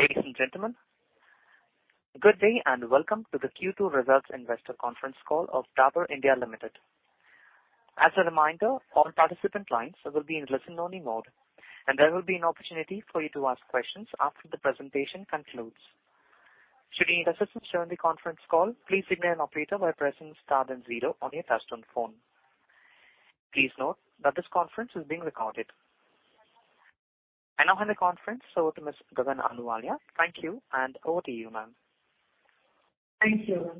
Ladies and gentlemen, good day, and welcome to the Q2 Results Investor Conference Call of Dabur India Limited. As a reminder, all participant lines will be in listen-only mode, and there will be an opportunity for you to ask questions after the presentation concludes. Should you need assistance during the conference call, please signal an operator by pressing star then zero on your touchtone phone. Please note that this conference is being recorded. I now hand the conference over to Ms. Gagan Ahluwalia. Thank you, and over to you, ma'am. Thank you.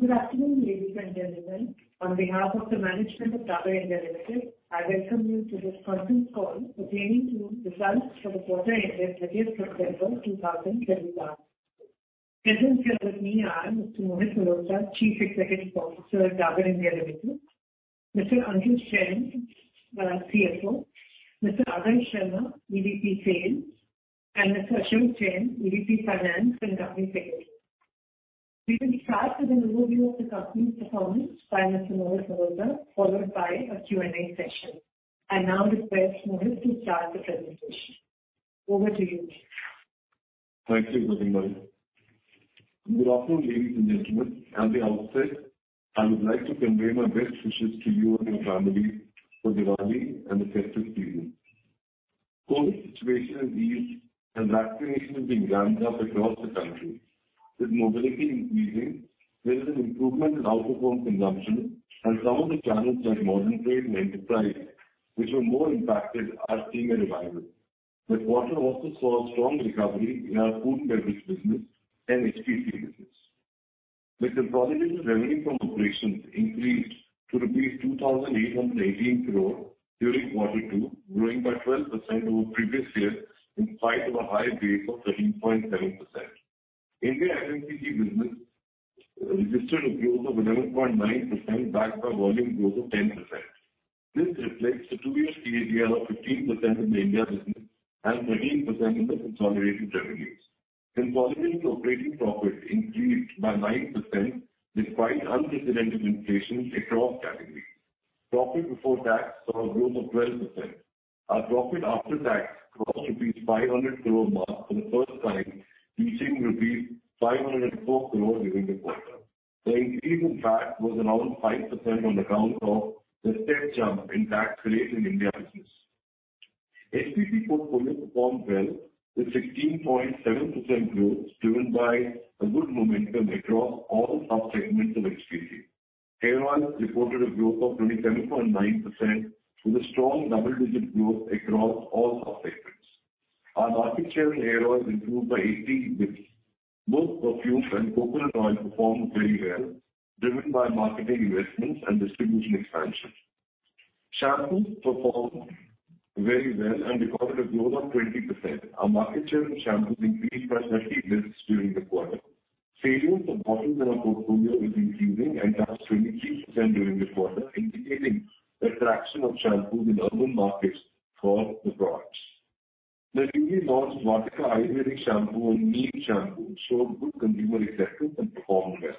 Good afternoon, ladies and gentlemen. On behalf of the management of Dabur India Limited, I welcome you to this conference call pertaining to results for the quarter ended September 30, 2022. Present here with me are Mr. Mohit Malhotra, Chief Executive Officer at Dabur India Limited, Mr. Ankush Jain, CFO, Mr. Adarsh Sharma, EVP Sales, and Mr. Ashok Kumar Jain, EVP Finance and Company Secretary. We will start with an overview of the company's performance by Mr. Mohit Malhotra, followed by a Q&A session. I now request Mohit to start the presentation. Over to you. Thank you, Gagan ma'am. Good afternoon, ladies and gentlemen. At the outset, I would like to convey my best wishes to you and your family for Diwali and the festive season. COVID situation has eased, and vaccination is being ramped up across the country. With mobility increasing, there is an improvement in out-of-home consumption and some of the channels like modern trade and enterprise, which were more impacted, are seeing a revival. The quarter also saw a strong recovery in our food and beverage business and HPC business. The consolidated revenue from operations increased to rupees 2,818 crore during quarter 2, growing by 12% over previous year in spite of a high base of 13.7%. India FMCG business registered a growth of 11.9%, backed by volume growth of 10%. This reflects the two-year CAGR of 15% in the India business and 13% in the consolidated revenues. Consolidated operating profit increased by 9% despite unprecedented inflation across categories. Profit before tax saw a growth of 12%. Our profit after tax crossed rupees 500 crore mark for the first time, reaching rupees 504 crore during the quarter. The increase in tax was around 5% on account of the step jump in tax rate in India business. HPC portfolio performed well with 16.7% growth, driven by a good momentum across all sub-segments of HPC. Hair oils reported a growth of 27.9% with a strong double-digit growth across all sub-segments. Our market share in hair oils improved by 80 basis points. Both perfumes and coconut oil performed very well, driven by marketing investments and distribution expansion. Shampoos performed very well and recorded a growth of 20%. Our market share in shampoos increased by 30 basis points during the quarter. Sales of bottles in our portfolio is increasing and touched 23% during the quarter, indicating the traction of shampoos in urban markets for the products. The newly launched Vatika Ayurvedic Shampoo and Neem Shampoo showed good consumer acceptance and performed well.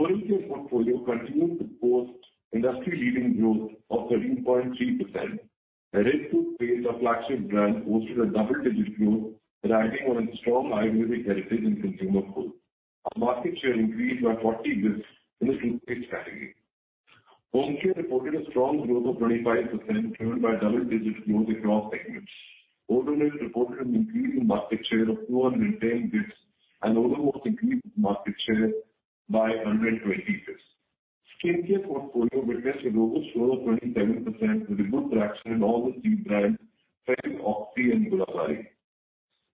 Oral care portfolio continued to post industry-leading growth of 13.3%. Red Paste, our flagship brand, posted a double-digit growth, riding on its strong Ayurvedic heritage and consumer pull. Our market share increased by 40 basis points in the toothpaste category. Home care reported a strong growth of 25%, driven by double-digit growth across segments. Vatika Oil reported an increase in market share of 210 basis points, and Polo mint increased market share by 120 basis points. Skincare portfolio witnessed a robust growth of 27% with a good traction in all three brands, Fem, Oxy and Gulabari.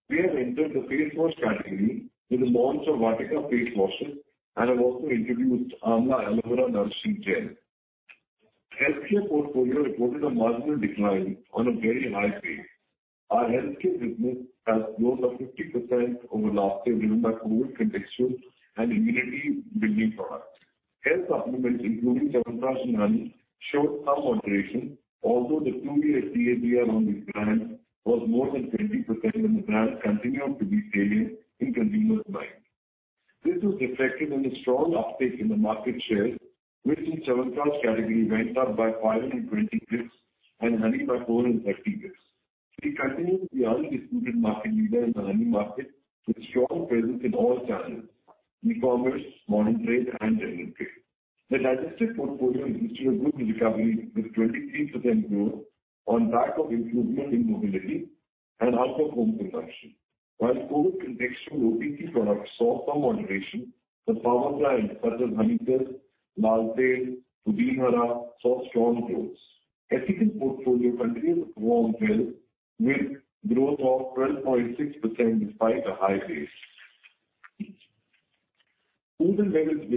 We have entered the face wash category with the launch of Vatika Face Wash and have also introduced Amla Aloe Vera Nourishing Gel. Healthcare portfolio reported a marginal decline on a very high base. Our healthcare business has growth of 50% over last year, driven by COVID contextual and immunity-building products. Health supplements, including Chyawanprash and honey, showed some moderation, although the two-year CAGR on these brands was more than 20%, and the brands continue to be salient in consumers' minds. This was reflected in the strong uptake in the market share, with the Chyawanprash category went up by 520 basis points and honey by 450 basis points. We continue to be undisputed market leader in the honey market with strong presence in all channels, e-commerce, modern trade, and general trade. The digestive portfolio registered a good recovery with 23% growth on back of improvement in mobility and out-of-home consumption. While COVID contextual roti products saw some moderation, the flavorants like Hajmola, Lal Tail, Hajmola saw strong growth. Ethical portfolio continued to perform well with growth of 12.6% despite a high base. Food and beverage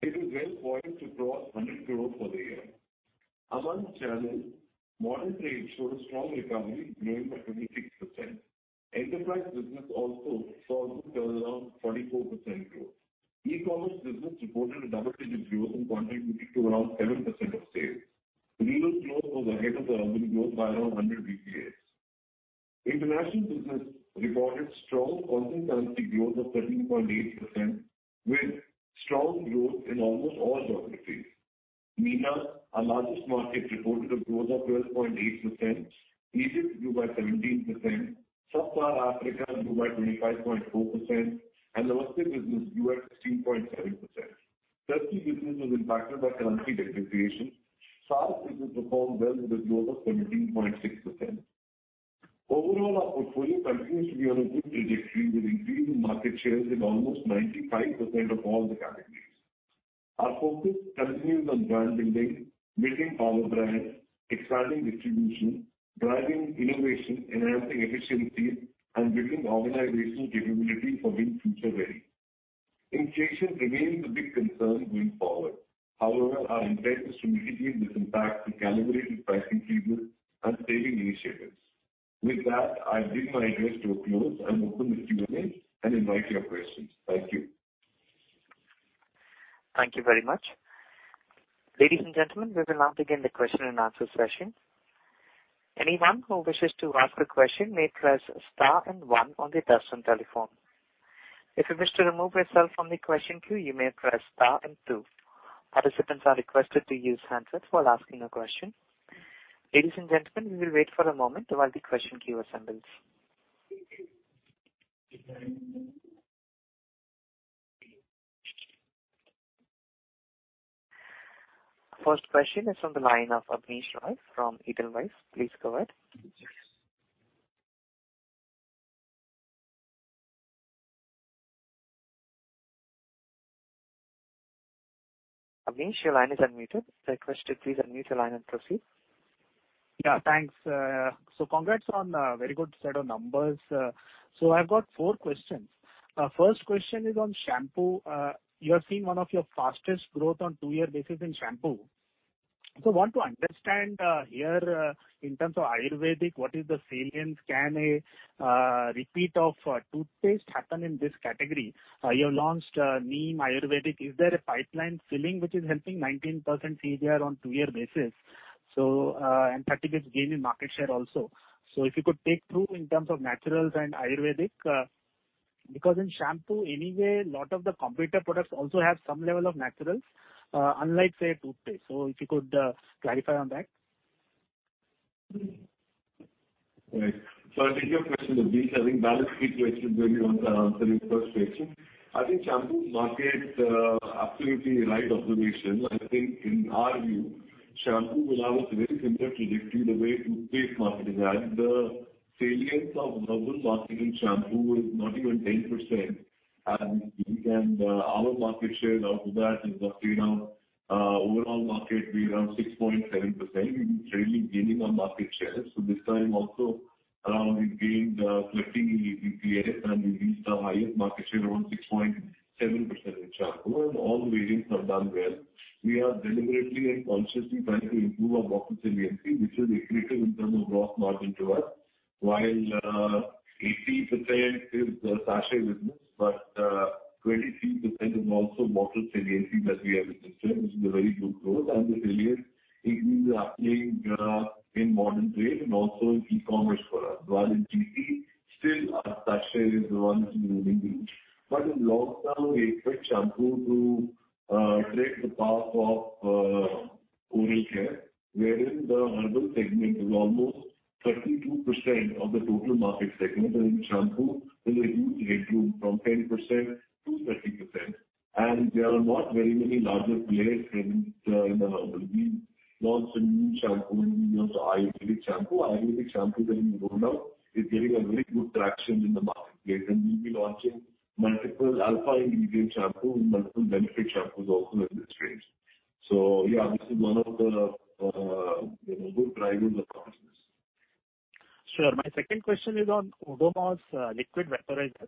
business was a star performer in this quarter with a growth of 43%. The business saw a strong- Sir, is Shruti operating? Around 15%. It is well poised to cross INR 100 crore for the year. Among channels, modern trade showed a strong recovery, growing by 26%. Enterprise business also saw good turnaround, 44% growth. E-commerce business reported a double-digit growth in quantity to around 7% of sales. Retail growth was ahead of the overall growth by around 100 BPS. International business recorded strong constant currency growth of 13.8%, with strong growth in almost all geographies. MENA, our largest market, reported a growth of 12.8%. Egypt grew by 17%. Sub-Saharan Africa grew by 25.4%, and the Russia business grew at 16.7%. Turkey business was impacted by currency depreciation. SAARC business performed well with a growth of 17.6%. Overall, our portfolio continues to be on a good trajectory with increase in market shares in almost 95% of all the categories. Our focus continues on brand building power brands, expanding distribution, driving innovation, enhancing efficiency, and building organizational capability for being future ready. Inflation remains a big concern going forward. However, our intent is to mitigate this impact through calibrated pricing measures and saving initiatives. With that, I bring my address to a close and open the Q&A and invite your questions. Thank you. Thank you very much. Ladies and gentlemen, we will now begin the question and answer session. Anyone who wishes to ask a question may press star and one on their touchtone telephone. If you wish to remove yourself from the question queue, you may press star and two. Participants are requested to use handsets while asking a question. Ladies and gentlemen, we will wait for a moment while the question queue assembles. First question is on the line of Abneesh Roy from Edelweiss. Please go ahead. Abhi, your line is unmuted. Request to please unmute your line and proceed. Yeah, thanks. Congrats on a very good set of numbers. I've got four questions. First question is on shampoo. You are seeing one of your fastest growth on two-year basis in shampoo. Want to understand here in terms of Ayurvedic what is the salience? Can a repeat of toothpaste happen in this category? You have launched neem Ayurvedic. Is there a pipeline filling which is helping 19% CAGR on two-year basis? And 30% gain in market share also. If you could take through in terms of naturals and Ayurvedic because in shampoo anyway a lot of the competitor products also have some level of naturals unlike say toothpaste. If you could clarify on that. Right. I'll take your question, Abhi. I think that is a key question where we want to answer in first section. I think shampoo market, absolutely right observation. I think in our view, shampoo will have a very similar trajectory the way toothpaste market has. The salience of herbal market in shampoo is not even 10%, and we can, our market share now to that is roughly around, overall market be around 6.7%. We've been really gaining on market share. This time also, we've gained, 13 BPS, and we reached the highest market share around 6.7% in shampoo. All the variants have done well. We are deliberately and consciously trying to improve our bottle saliency, which is accretive in terms of gross margin to us. While 80% is the sachet business, but 23% is also bottle saliency that we have registered, which is a very good growth. The salience is increasing in modern trade and also in e-commerce for us. While in GT, still our sachet is the one which is moving more. In long term, we expect shampoo to take the path of oral care, wherein the herbal segment is almost 32% of the total market segment. In shampoo, there's a huge headroom from 10%-30%. There are not very many larger players in the herbal. We've launched a new shampoo, you know, it's Ayurvedic shampoo. Ayurvedic shampoo that we've rolled out is getting a very good traction in the marketplace, and we'll be launching multiple alpha ingredient shampoo and multiple benefit shampoos also in this range. This is one of the good drivers across this. Sure. My second question is on Odomos liquid vaporizer.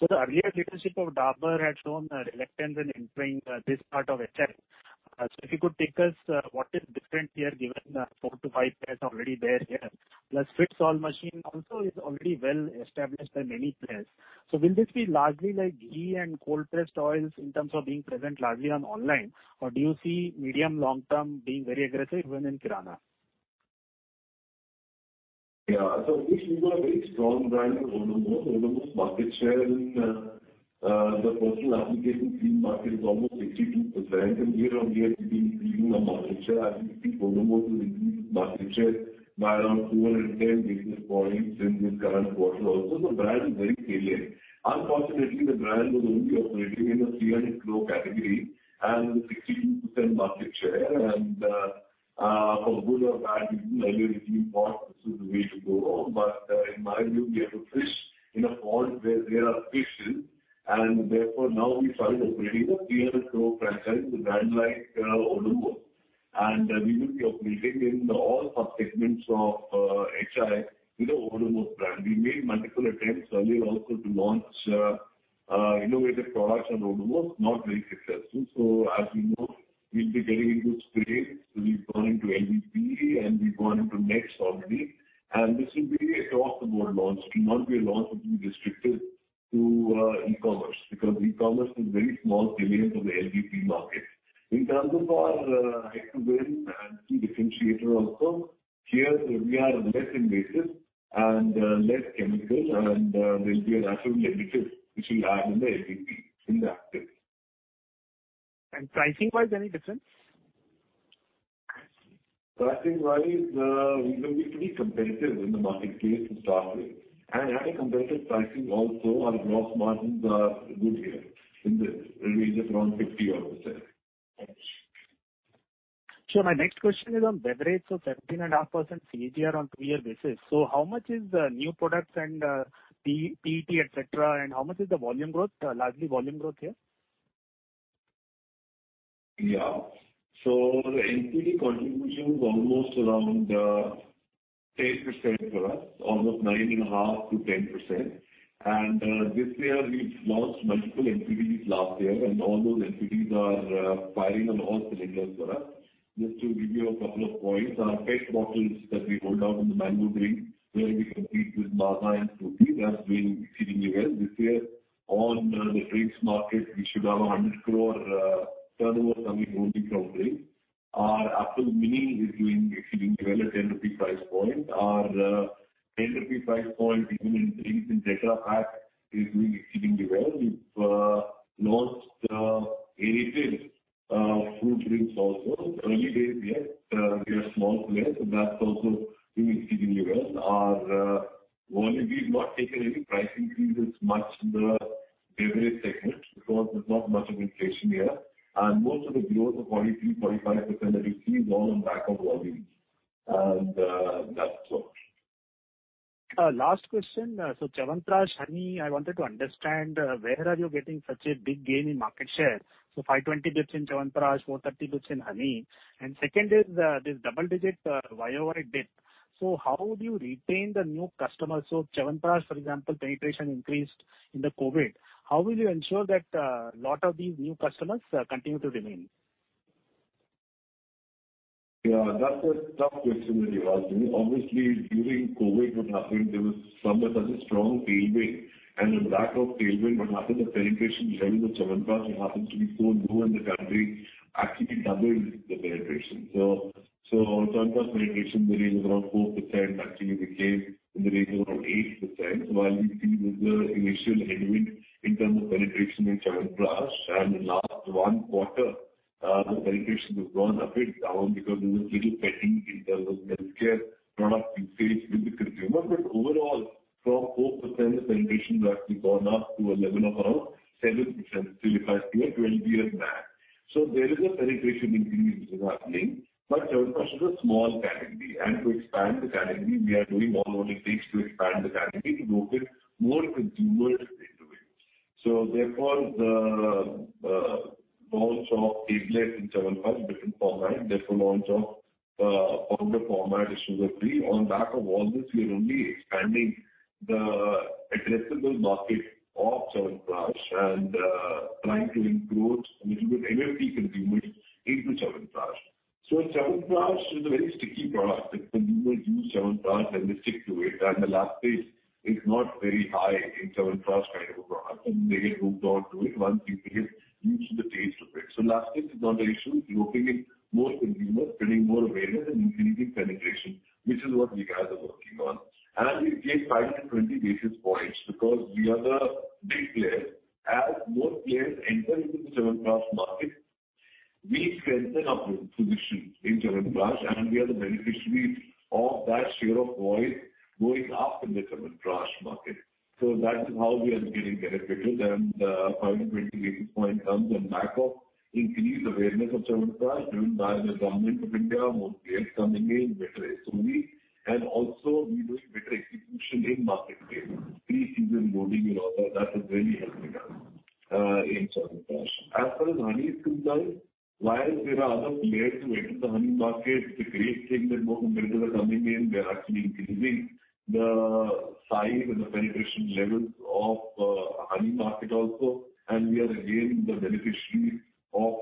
The earlier leadership of Dabur had shown a reluctance in entering this part of a health. If you could take us what is different here, given 4-5 players already there here. Plus, fit all machine also is already well established by many players. Will this be largely like ghee and cold pressed oils in terms of being present largely on online? Or do you see medium long-term being very aggressive even in kirana? Yeah. This is a very strong brand of Odomos. Odomos market share in the personal application cream market is almost 62%. Year on year, we've been gaining our market share. I think Odomos will increase market share by around 410 basis points in this current quarter also. The brand is very salient. Unfortunately, the brand was only operating in the 300 crore category and with 62% market share. For good or bad, we didn't earlier think that this is the way to go. In my view, we have to fish in a pond where there are fishes. Therefore, now we started operating a INR 300 crore franchise with a brand like Odomos. We will be operating in all subsegments of HI with the Odomos brand. We made multiple attempts earlier also to launch innovative products on Odomos, not very successful. As you know, we'll be getting into spray, we'll be going to LVP, and we're going to next already. This will be across-the-board launch. It will not be a launch that will be restricted to e-commerce, because e-commerce is a very small segment of the LVP market. In terms of our high win and key differentiator also, here we are less invasive and less chemical, and there'll be a natural additive which we'll add in the LVP, in the active. Pricing-wise, any difference? Pricing-wise, we will be pretty competitive in the marketplace to start with. Having competitive pricing also, our gross margins are good here in the range of around 50%. Sure. My next question is on beverage. 17.5% CAGR on three-year basis. How much is the new products and PET, etc., and how much is the volume growth, largely volume growth here? Yeah. The NPD contribution is almost around 10% for us, almost 9.5%-10%. This year we've launched multiple NPDs last year, and all those NPDs are firing on all cylinders for us. Just to give you a couple of points, our PET bottles that we rolled out in the mango drink, where we compete with Maaza and Frooti, that's doing exceedingly well. This year on the drinks market, we should have 100 crore turnover coming only from drink. Our Apple Mini is doing exceedingly well at 10 rupee price point. Our 10 rupee price point even in drinks in Tetra Pak is doing exceedingly well. We've launched aerated fruit drinks also. Early days, yes. We are small players, but that's also doing exceedingly well. Our volume, we've not taken any price increases much in the beverage segment because there's not much of inflation here, and most of the growth of 43%-45% that we see is all on back of volume. That's all. Last question. Chyawanprash, honey, I wanted to understand where are you getting such a big gain in market share? 520 basis points in Chyawanprash, 430 basis points in honey. Second is this double-digit YOY dip. How would you retain the new customers? Chyawanprash for example, penetration increased in the COVID. How will you ensure that lot of these new customers continue to remain? Yeah, that's a tough question that you asked me. Obviously, during COVID what happened, there was somewhat such a strong tailwind, and in lack of tailwind, what happened to penetration levels of Chyawanprash, which happens to be so low in the country, actually doubled the penetration. Chyawanprash penetration, the range is around 4%, actually became in the range of around 8%. While we see this, initial headwind in terms of penetration in Chyawanprash. In last one quarter, the penetration has gone a bit down because there was little cutting in terms of healthcare product usage with the consumer. Overall, from 4%, the penetration has actually gone up to a level of around 7%, still if I see a 20-year max. There is a penetration increase which is happening. Chyawanprash is a small category. To expand the category, we are doing all what it takes to expand the category, to rope in more consumers into it. Therefore the launch of tablet in Chyawanprash, different format, therefore launch of powder format, Ashwagandha. On the back of all this, we are only expanding the addressable market of Chyawanprash and trying to include a little bit MMP consumers into Chyawanprash. Chyawanprash is a very sticky product. If consumers use Chyawanprash, then they stick to it, and the lapse rate is not very high in Chyawanprash kind of a product, and they get hooked on to it once people get used to the taste of it. Lapse rate is not the issue. It's roping in more consumers, creating more awareness, and increasing penetration, which is what we guys are working on. We've gained 520 basis points because we are the big player. As more players enter into the Chyawanprash market, we strengthen our position in Chyawanprash, and we are the beneficiary of that share of voice going up in the Chyawanprash market. That is how we are getting benefited. 520 basis point comes on back of increased awareness of Chyawanprash during Diwali, the Government of India, more players coming in, better FOGI. We're doing better execution in market place. Pre-season loading and all that is really helping us in Chyawanprash. As far as honey is concerned, while there are other players who enter the honey market, it's a great thing that more competitors are coming in. They're actually increasing the size and the penetration levels of honey market also. We are again the beneficiary of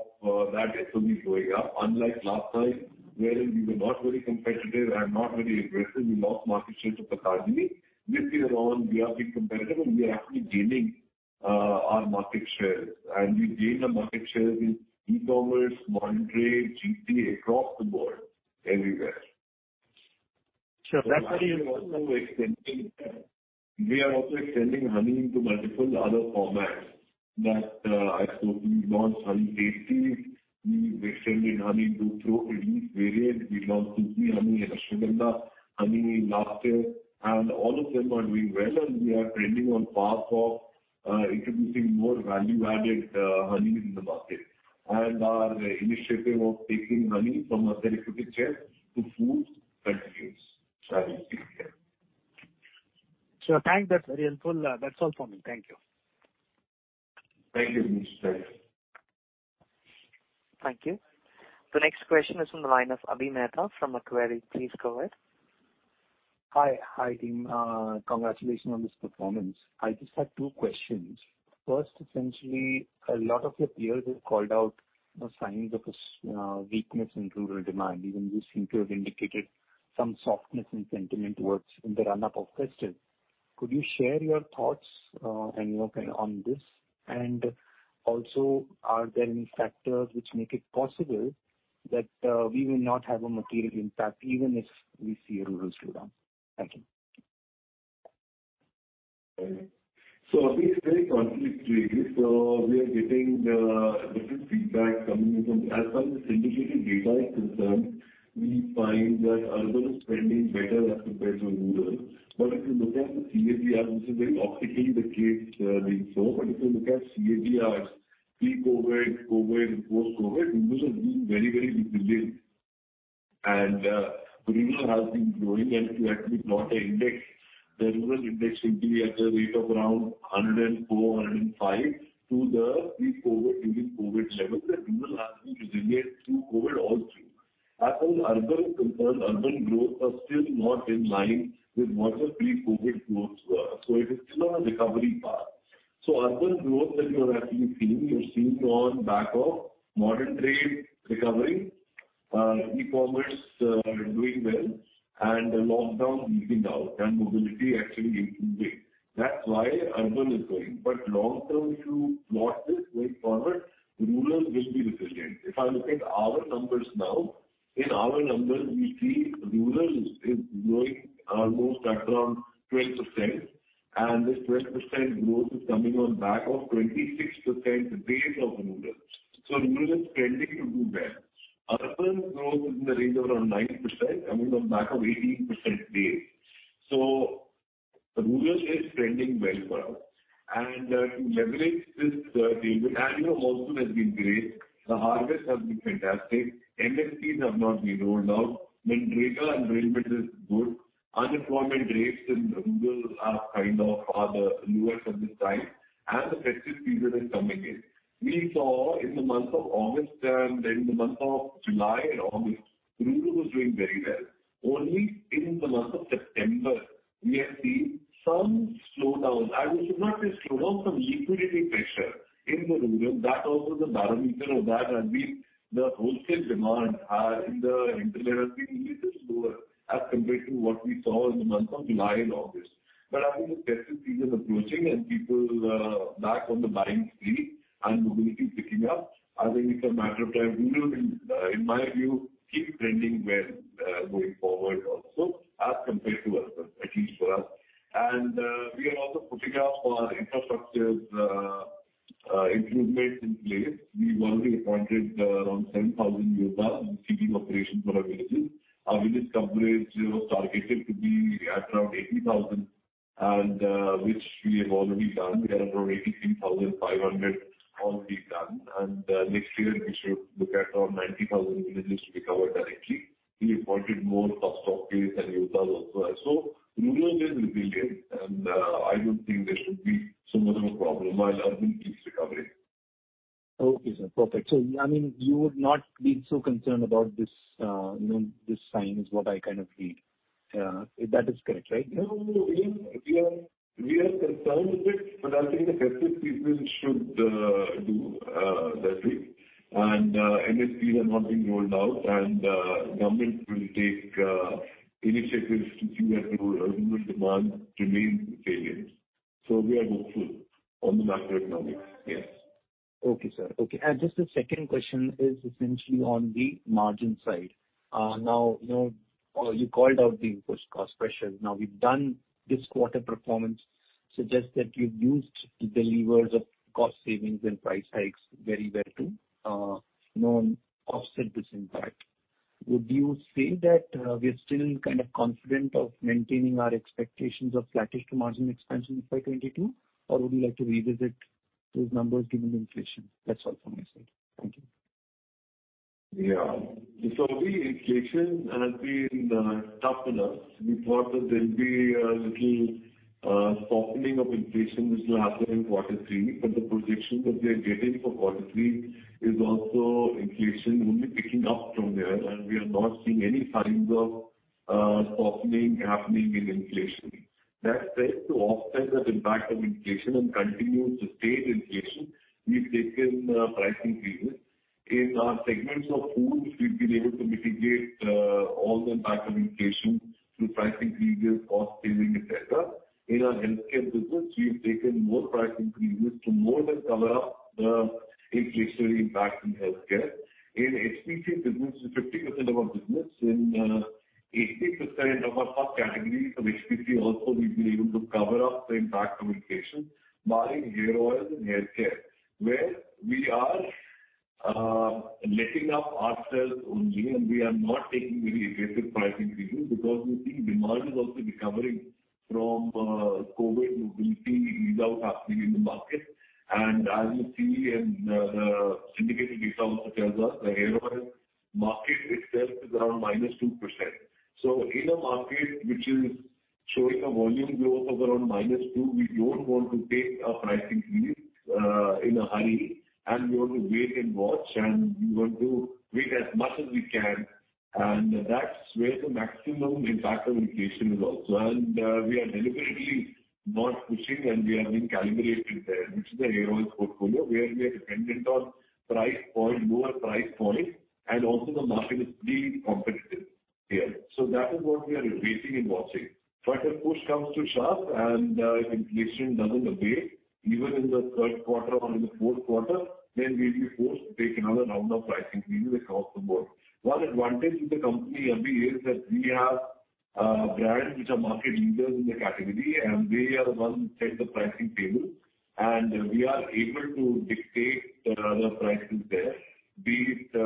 that FOGI going up. Unlike last time, wherein we were not very competitive and not very aggressive, we lost market share to Patanjali. This year around, we are being competitive, and we are actually gaining our market share. We gain the market share in e-commerce, modern trade, GT, across the board, everywhere. Sure. That's why we are also extending honey into multiple other formats that I spoke. We launched honey dates. We extended honey through Frooti variant. We launched Tulsi honey and Ashwagandha honey last year, and all of them are doing well, and we are trending on path of introducing more value-added honeys in the market. Our initiative of taking honey from a therapeutic chest to food continues. That is it, yeah. Sure. Thanks. That's very helpful. That's all for me. Thank you. Thank you, Abneesh. Bye. Thank you. The next question is from the line of Avi Mehta from Macquarie. Please go ahead. Hi. Hi, team. Congratulations on this performance. I just had two questions. First, essentially, a lot of your peers have called out the signs of a weakness in rural demand, even you seem to have indicated some softness in sentiment toward the run-up to festive. Could you share your thoughts and your take on this? Also, are there any factors which make it possible that we will not have a material impact even if we see a rural slowdown? Thank you. Obviously it's very conflicting. We are getting different feedback coming in from. As far as the syndicated data is concerned, we find that urban spending better as compared to rural. If you look at the CAGR, this is very optically the case being so. If you look at CAGRs pre-COVID, COVID, post-COVID, rural has been very, very resilient. Rural has been growing. If you actually plot a index, the rural index seem to be at the rate of around 104%, 105% to the pre-COVID, even COVID levels, that rural has been resilient through COVID all through. As far as urban is concerned, urban growth are still not in line with what their pre-COVID growth were. It is still on a recovery path. Urban growth that you are actually seeing is seen on back of modern trade recovery. E-commerce doing well. The lockdown easing down and mobility actually increasing. That's why urban is growing. Long term, if you plot this going forward, rural will be resilient. If I look at our numbers now, in our numbers we see rural is growing almost at around 12%, and this 12% growth is coming on back of 26% base of rural. Rural is trending to do well. Urban growth is in the range of around 9% coming on back of 18% base. Rural is trending well for us. To leverage this, favourable annual monsoon has been great. The harvest has been fantastic. MSPs have not been rolled out. Rural employment is good. Unemployment rates in rural are kind of the lowest of this time, and the festive season is coming in. We saw in the month of July and August, rural was doing very well. Only in the month of September we have seen some slowdown. We should not say slowdown, some liquidity pressure in the rural. That also the barometer of that has been the wholesale demand in the hinterland has been a little slower as compared to what we saw in the months of July and August. I think with festive season approaching and people, back on the buying spree and mobility picking up, I think it's a matter of time rural will, in my view, keep trending well, going forward also as compared to urban, at least for us. We are also putting our infrastructures improvements in place. We've already appointed around 7,000 Yoddha in rural operation for our villages. Our village coverage was targeted to be at around 80,000 and which we have already done. We are around 83,500 already done. Next year we should look at around 90,000 villages to be covered directly. We appointed more sub-stockists and Yuktas also. Rural will be resilient, and I don't think there should be so much of a problem while urban keeps recovering. Okay, sir. Perfect. I mean, you would not be so concerned about this, you know, this sign is what I kind of read. If that is correct, right? No, no. I mean, we are concerned with it, but I think the festive season should do well too. MSPs have not been rolled out, and government will take initiatives to see that rural demand remains resilient. We are hopeful on the macroeconomics, yes. Just the second question is essentially on the margin side. Now, you know, you called out the input cost pressure. Now, the performance this quarter suggests that you've used the levers of cost savings and price hikes very well to, you know, offset this impact. Would you say that we are still kind of confident of maintaining our expectations of flattish to margin expansion in FY 2022? Or would you like to revisit those numbers given the inflation? That's all from my side. Thank you. Yeah. For me, inflation has been tough for us. We thought that there'll be a little softening of inflation which will happen in quarter 3, but the projections that we are getting for quarter 3 is also inflation only picking up from there. We are not seeing any signs of softening happening in inflation. That said, to offset that impact of inflation and continue to stage inflation, we've taken price increases. In our segments of Foods, we've been able to mitigate all the impact of inflation through price increases, cost savings, et cetera. In our Healthcare business, we have taken more price increases to more than cover up the inflationary impact in Healthcare. In HPC business, which is 50% of our business, in 80% of our subcategories of HPC also we've been able to cover up the impact of inflation. Barring hair oil and healthcare, where we are letting up ourselves only, and we are not taking very aggressive pricing increases because we think demand is also recovering from COVID mobility ease out happening in the market. As you see, the syndicated data also tells us the hair oil market itself is around -2%. In a market which is showing a volume growth of around -2%, we don't want to take a pricing increase in a hurry, and we want to wait and watch, and we want to wait as much as we can. That's where the maximum impact of inflation is also. We are deliberately not pushing, and we are being calibrated there, which is the aerosols portfolio, where we are dependent on price point, lower price points, and also the market is really competitive here. That is what we are waiting and watching. If push comes to shove and if inflation doesn't abate even in the third quarter or in the fourth quarter, then we'll be forced to take another round of pricing increase across the board. One advantage with the company, Abhi, is that we have brands which are market leaders in the category, and they are the ones who set the pricing table. We are able to dictate the prices there. Be it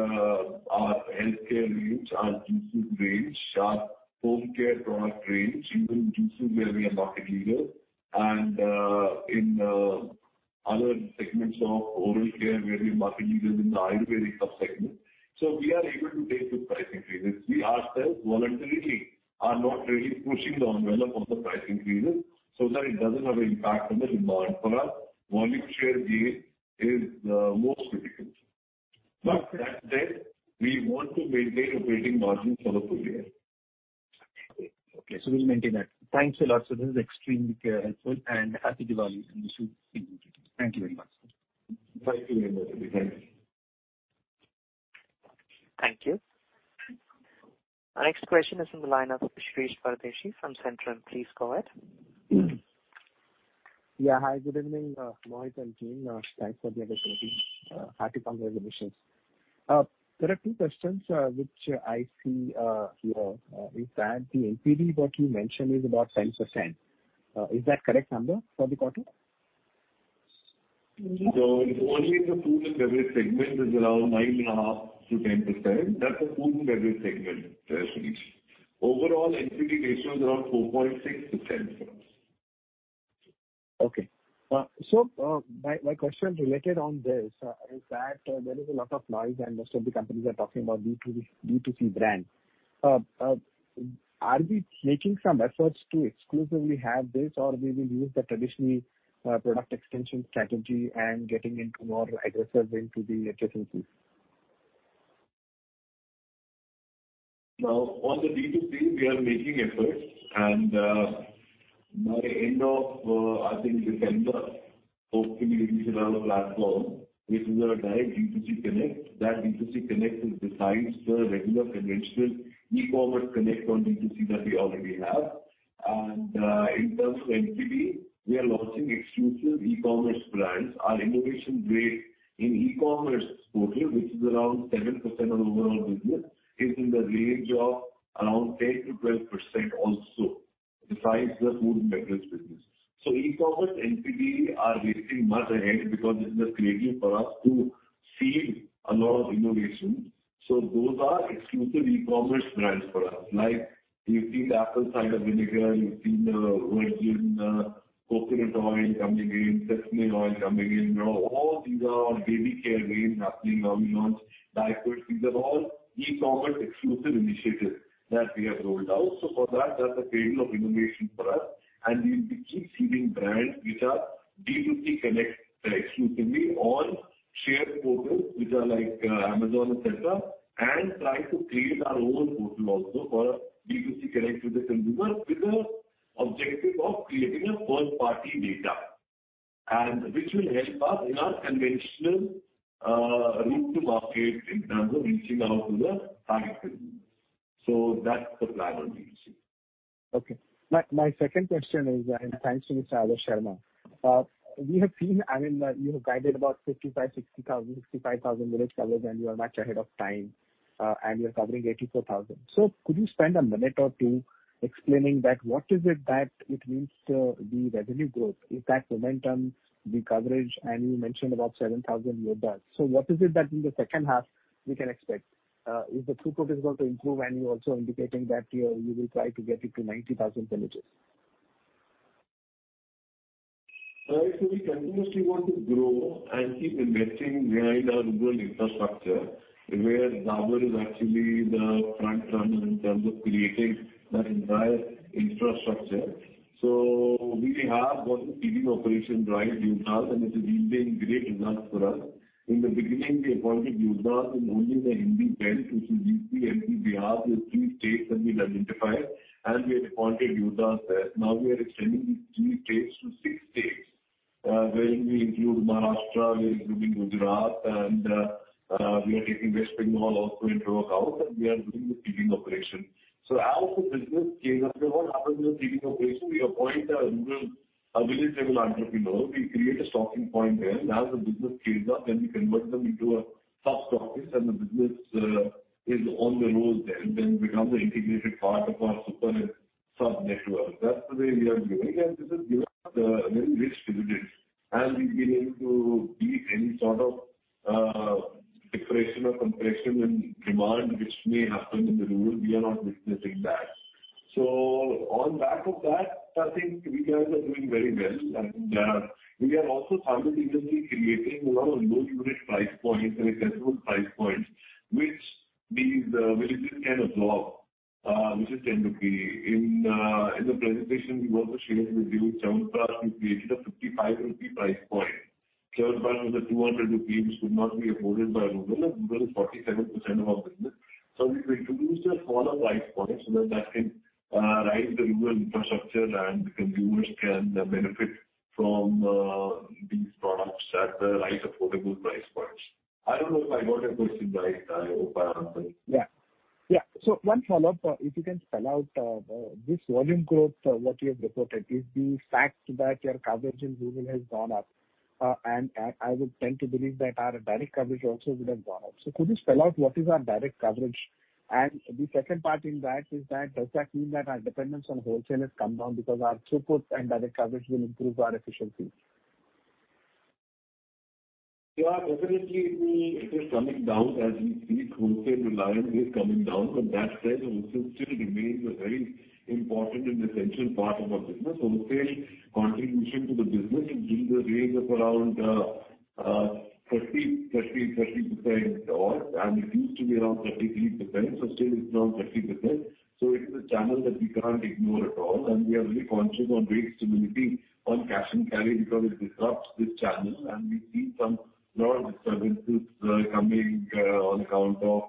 our healthcare range, our juices range, our home care product range, even juices where we are market leader and in other segments of oral care where we are market leaders in the Ayurvedic sub-segment. We are able to take the pricing increases. We ourselves voluntarily are not really pushing the envelope of the pricing increases so that it doesn't have impact on the demand. For us, volume share gain is most critical. That said, we want to maintain operating margins for the full year. Okay. We'll maintain that. Thanks a lot, sir. This is extremely helpful and happy Diwali in advance. Thank you very much. Thank you. Thank you. Our next question is on the line of Shirish Pardeshi from Centrum. Please go ahead. Hi, good evening, Mohit and team. Thanks for the opportunity. Happy Pongal wishes. There are two questions which I see here. Is that the NPD what you mentioned is about 7%? Is that correct number for the quarter? Only in the food and beverage segment is around 9.5%-10%. That's the food and beverage segment, Shirish. Overall NPD ratio is around 4.6% for us. My question related to this is that there is a lot of noise and most of the companies are talking about B2B, B2C brands. Are we making some efforts to exclusively have this or we will use the traditional product extension strategy and getting more aggressive into the D2C? Now, on the B2C, we are making efforts and by end of December, hopefully we should have a platform which is our direct B2C connect. That B2C connect is besides the regular conventional e-commerce connect on B2C that we already have. In terms of NPD, we are launching exclusive e-commerce brands. Our innovation rate in e-commerce portal, which is around 7% of overall business, is in the range of around 10%-12% also, besides the food and beverage business. E-commerce NPD are really much ahead because this is a creator for us to seed a lot of innovations. Those are exclusive e-commerce brands for us. Like you've seen the apple cider vinegar, you've seen the virgin coconut oil coming in, sesame oil coming in. You know, all these are our baby care range happening. Now we launched diapers. These are all e-commerce exclusive initiatives that we have rolled out. For that's a trail of innovation for us, and we'll be keep seeding brands which are B2C connect exclusively on shared portals, which are like, Amazon, et cetera, and try to create our own portal also for B2C connect with the consumer with the objective of creating a first-party data, and which will help us in our conventional, route to market in terms of reaching out to the final consumer. That's the plan on B2C. Okay. My second question is, and thanks to Mr. Adarsh Sharma. We have seen, I mean, you have guided about 55,000-60,000, 65,000 village covers, and you are much ahead of time, and you're covering 84,000. Could you spend a minute or two explaining that what is it that it means to the revenue growth? Is that momentum, the coverage? You mentioned about 7,000 low bars. What is it that in the second half we can expect? If the throughput is going to improve and you're also indicating that you will try to get it to 90,000 villages. We continuously want to grow and keep investing behind our rural infrastructure, where Dabur is actually the frontrunner in terms of creating that entire infrastructure. We have got the seeding operation right, Yoddhas, and this is yielding great results for us. In the beginning, we appointed Yoddhas in only the Hindi belt, which is UP, MP, Bihar. These three states have been identified, and we have appointed Yoddhas there. Now we are extending these three states to six states, wherein we include Maharashtra, we're including Gujarat, and we are taking West Bengal also into account, and we are doing the seeding operation. As the business scales up, what happens in the seeding operation, we appoint our rural village-level entrepreneur. We create a stocking point there. As the business scales up, we convert them into a sub-office, and the business is on the road there. They become the integrated part of our Supernet sub-network. That's the way we are doing, and this has given us a very rich dividend. We've been able to beat any sort of depression or compression in demand which may happen in the rural. We are not witnessing that. On back of that, I think retailers are doing very well. We are also simultaneously creating our low unit price points and accessible price points which these villages can absorb, which is 10 rupee. In the presentation we also shared with you, Sevantras we created a 55 rupee price point. Sevantra was a 200 rupee, which could not be afforded by rural, and rural is 47% of our business. We've introduced a smaller price point so that that can raise the rural infrastructure and the consumers can benefit from these products at the right affordable price points. I don't know if I got your question right. I hope I answered. One follow-up, if you can spell out this volume growth, what you have reported is the fact that your coverage in rural has gone up. I would tend to believe that our direct coverage also would have gone up. Could you spell out what is our direct coverage? The second part in that is that, does that mean that our dependence on wholesale has come down because our throughput and direct coverage will improve our efficiency? Yeah, definitely it is coming down as we speak. Wholesale reliance is coming down. That said, wholesale still remains a very important and essential part of our business. Wholesale contribution to the business is in the range of around 30% odd, and it used to be around 33%. Still it's around 30%. It is a channel that we can't ignore at all, and we are very conscious on rate stability on cash and carry because it disrupts this channel and we see a lot of disturbances coming on account of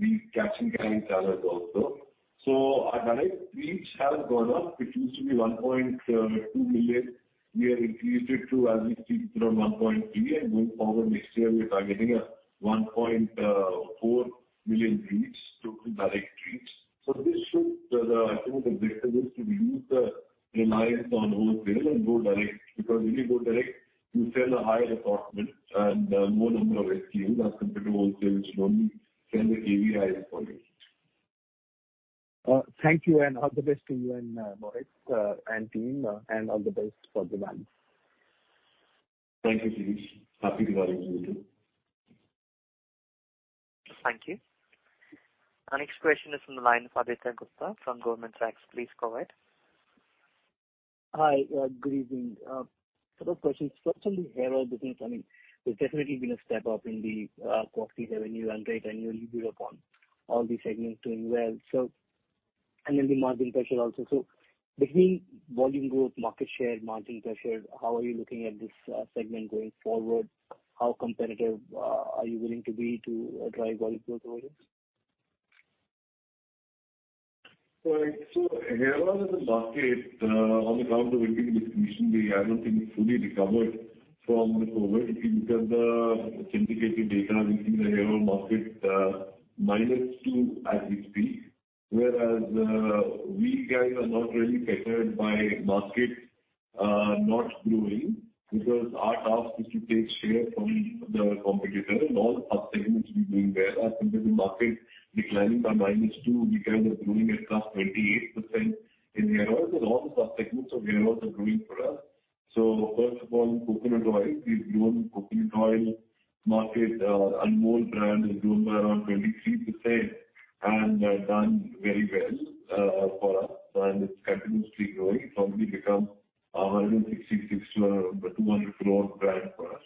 the cash and carry channels also. Our direct reach has gone up. It used to be 1.2 million. We have increased it to, as we speak, around 1.3 million, and going forward next year we are targeting a 1.4 million reach, total direct reach. This should, I think the objective is to reduce the reliance on wholesale and go direct. Because if you go direct, you sell a higher assortment and more number of SKUs as compared to wholesale, which only sell the A-class SKUs. Thank you and all the best to you and Mohit and team, and all the best for the brand. Thank you, Shirish. Happy to have you with us. Thank you. Our next question is from the line of Arnab Mitra from Goldman Sachs. Please go ahead. Hi, good evening. Couple of questions. First on the hair oil business, I mean, there's definitely been a step up in the quarter revenue and rate annually build upon all the segments doing well. Then the margin pressure also. Between volume growth, market share, margin pressure, how are you looking at this segment going forward? How competitive are you willing to be to drive volume growth over here? Right. Hair oil is a market on account of uneven distribution. I don't think it's fully recovered from the COVID. If you look at the syndicated data, we see the hair oil market -2% as we speak. Whereas, we guys are not really affected by market not growing because our task is to take share from the competitor and all subsegments will be doing well. As compared to market declining by -2%, we guys are growing at +28% in hair oils, as all the subsegments of hair oils are growing for us. First of all, coconut oil. We've grown coconut oil market, our Anmol brand has grown by around 23% and done very well for us, and it's continuously growing. It's probably become 166 crore-200 crore brand for us.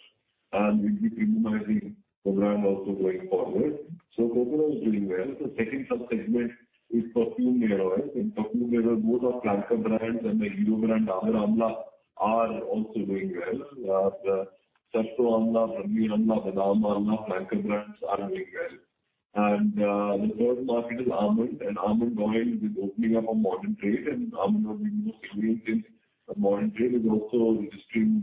We'll be premiumizing program also going forward. Coconut is doing well. The second subsegment is perfumed hair oils. In perfumed hair oils, both our flanker brands and the hero brand Amla Almond are also doing well. The Sarso Amla, Haldi Amla, Badam Amla flanker brands are doing well. The third market is almond, and almond oil is opening up for modern trade, and almond oil being used heavily in modern trade is also registering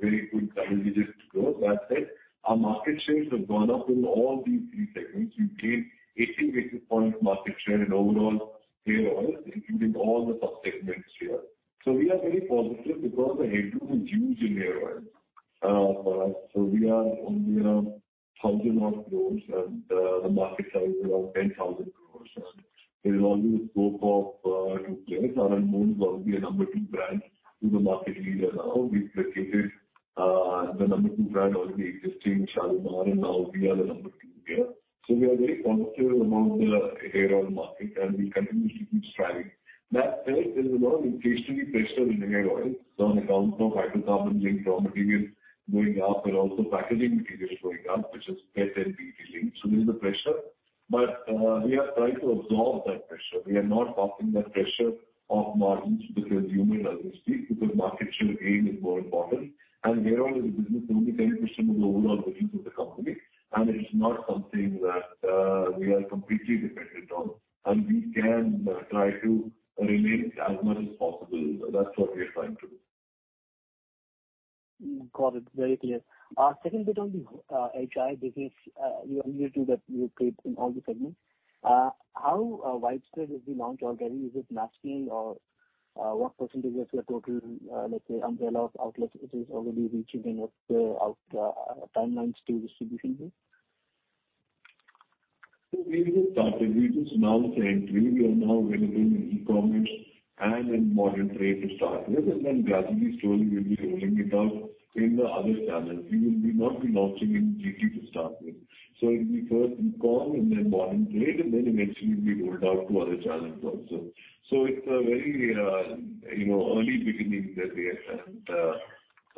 very good double-digit growth. That said, our market shares have gone up in all these three segments. We've gained 80 basis points market share in overall hair oils, including all the subsegments here. We are very positive because the headroom is huge in hair oils. We are only around 1,000-odd crores and the market size is around 10,000 crores. There is always scope of to play. Our Anmol is already a number 2 brand to the market leader now. We've replaced the number 2 brand already existing, Shalimar, and now we are the number 2 here. So we are very positive about the hair oil market, and we continuously keep striving. That said, there's a lot of inflationary pressure in hair oils on account of hydrocarbon linked raw materials going up and also packaging materials going up, which is PET and HDPE linked. So there's a pressure, but we are trying to absorb that pressure. We are not passing that pressure of margins to the consumer as we speak, because market share gain is more important. Hair oil is a business, only 10% of the overall business of the company, and it's not something that we are completely dependent on. We can try to relieve as much as possible. That's what we are trying to do. Got it. Very clear. Second bit on the HI business. You alluded to that you played in all the segments. How widespread is the launch already? Is it national or what percentage of your total, let's say, umbrella of outlets it is already reaching and timelines to distribution here? We've just started. We've just now said we are now available in e-commerce and in modern trade to start. This is then gradually, slowly we'll be rolling it out in the other channels. We will not be launching in GT to start with. It'll be first in com and then modern trade, and then eventually it'll be rolled out to other channels also. It's a very, you know, early beginnings that we have.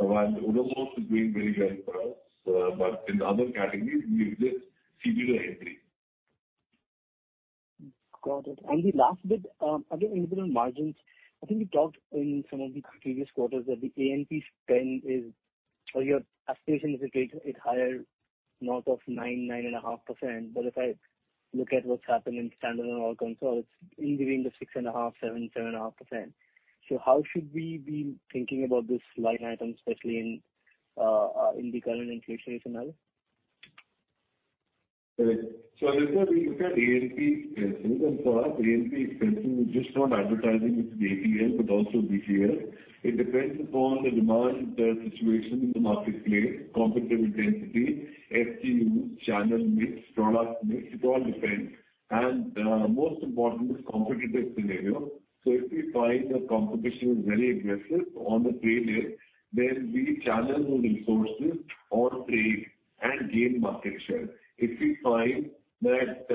Odomos is doing very well for us. But in the other categories we've just seeded our entry. Got it. The last bit, again a little bit on margins. I think you talked in some of the previous quarters that the A&P spend is, or your aspiration is to get it higher north of 9.5%. If I look at what's happened in standalone and consolidated, in between the 6.5%, 7.5%. How should we be thinking about this line item, especially in the current inflation scenario? Right. If you look at A&P expenses and so on, A&P expenses is just not advertising, it's the ATL, but also BTL. It depends upon the demand, the situation in the marketplace, competitive intensity, FQ, channel mix, product mix, it all depends. Most important is competitive scenario. If we find the competition is very aggressive on the trade layer, then we channel more resources on trade and gain market share. If we find that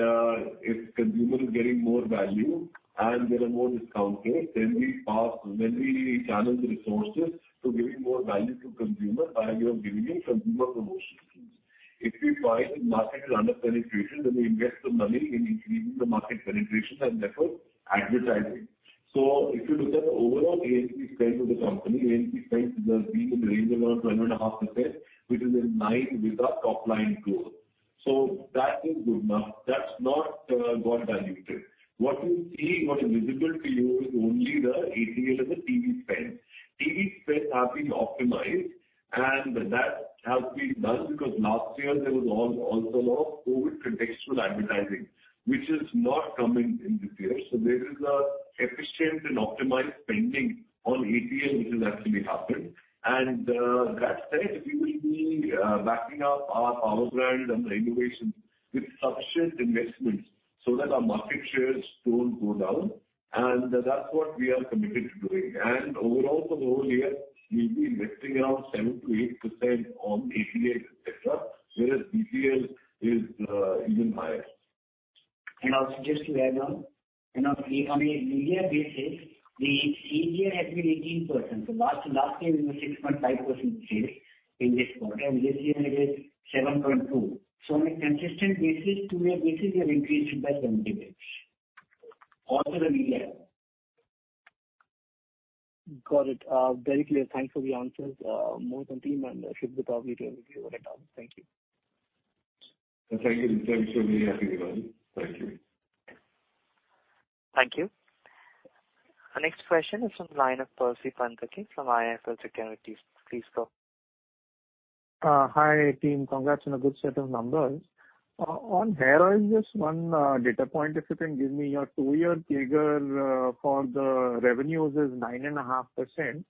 if consumer is getting more value and there are more discounting, then we channel the resources to giving more value to consumer by way of giving him consumer promotion schemes. If we find the market is under penetration, then we invest the money in increasing the market penetration and therefore advertising. If you look at overall A&P spend with the company, A&P spend has been in the range of around 2.5%, which is in line with our top line growth. That is good enough. That's not got diluted. What you see, what is visible to you is only the ATL and the TV spend. TV spends have been optimized, and that has been done because last year there was also a lot of COVID contextual advertising, which is not coming in this year. There is a efficient and optimized spending on ATL, which has actually happened. That said, we will be backing up our power brand and the innovations with sufficient investments so that our market shares don't go down, and that's what we are committed to doing. Overall for the whole year, we'll be investing around 7%-8% on ATL, et cetera, whereas BTL is even higher. I'll just add on. You know, on a year basis, the ATL has been 18%. Last year it was 6.5% sales in this quarter, and this year it is 7.2%. On a consistent basis, two-year basis, we have increased it by 10% also every year. Got it. Very clear. Thanks for the answers, Mohit and team, and Shubhdeep, I'll be talking to you over at lunch. Thank you. Thank you. Thanks for the happy one. Thank you. Thank you. Our next question is from the line of Percy Panthaki from IIFL Securities. Please go. Hi team. Congrats on a good set of numbers. On hair oil, just one data point if you can give me. Your two-year CAGR for the revenues is 9.5%.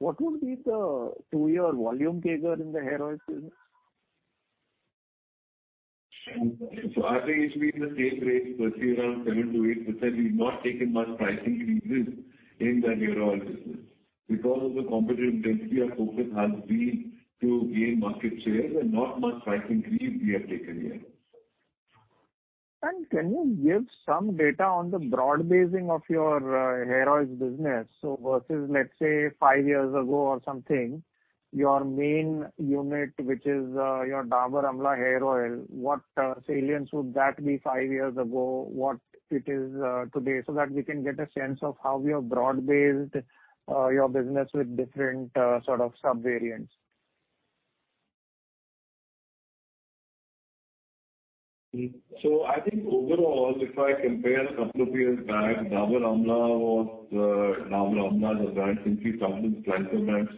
What would be the two-year volume CAGR in the hair oil business? I think it should be in the same range, Percy, around 7%-8%. We've not taken much pricing increases in the hair oil business. Because of the competitive intensity, our focus has been to gain market shares and not much price increase we have taken here. Can you give some data on the broad basing of your hair oils business? Versus, let's say, five years ago or something, your main unit, which is your Dabur Amla hair oil, what salience would that be five years ago, what it is today, so that we can get a sense of how you have broad-based your business with different sort of sub-variants. I think overall, if I compare a couple of years back, Dabur Amla was Dabur Amla as a brand simply comes with flanker brand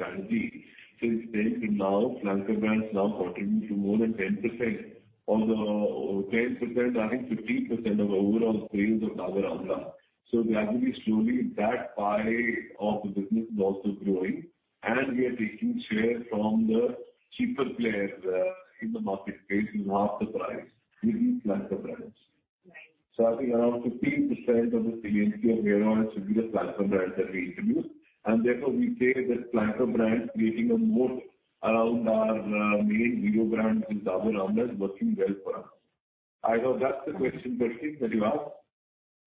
family. It's safe to say now, flanker brand is now contributing to more than 10% of the 10%, I think 15% of overall sales of Dabur Amla. Gradually, slowly, that pie of the business is also growing and we are taking share from the cheaper players in the marketplace who half the price within flanker brands. I think around 15% of the salience of hair oil should be the flanker brands that we introduced. Therefore, we say that flanker brand creating a moat around our main brand, Dabur Amla is working well for us. I hope that's the question, Percy, that you asked.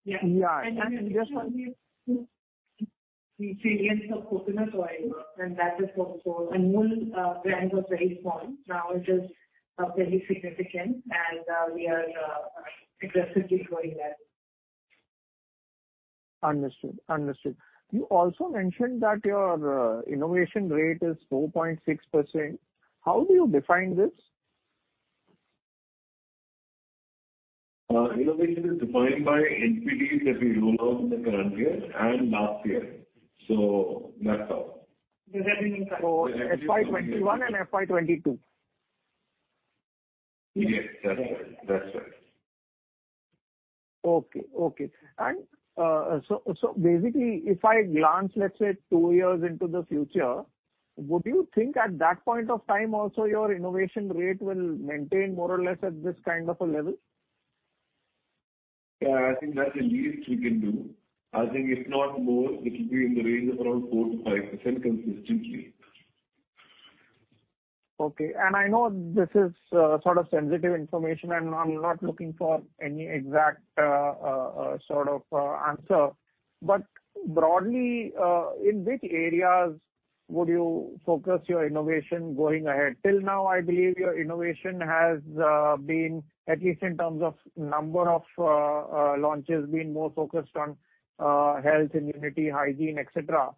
Yeah. Yeah. Just want to give you the salience of coconut oil, and that is also. Anmol brand was very small. Now it is very significant, and we are aggressively growing that. Understood. You also mentioned that your innovation rate is 4.6%. How do you define this? Innovation is defined by NPDs that we roll out in the current year and last year, so that's all. Does that mean in FY 2021 and FY 2022? Yes, that's right. Okay. Basically, if I glance, let's say, two years into the future, would you think at that point of time also your innovation rate will maintain more or less at this kind of a level? Yeah, I think that's the least we can do. I think if not more, it will be in the range of around 4%-5% consistently. Okay. I know this is sort of sensitive information, and I'm not looking for any exact sort of answer. Broadly, in which areas would you focus your innovation going ahead? Till now, I believe your innovation has been at least in terms of number of launches, been more focused on health, immunity, hygiene, et cetera.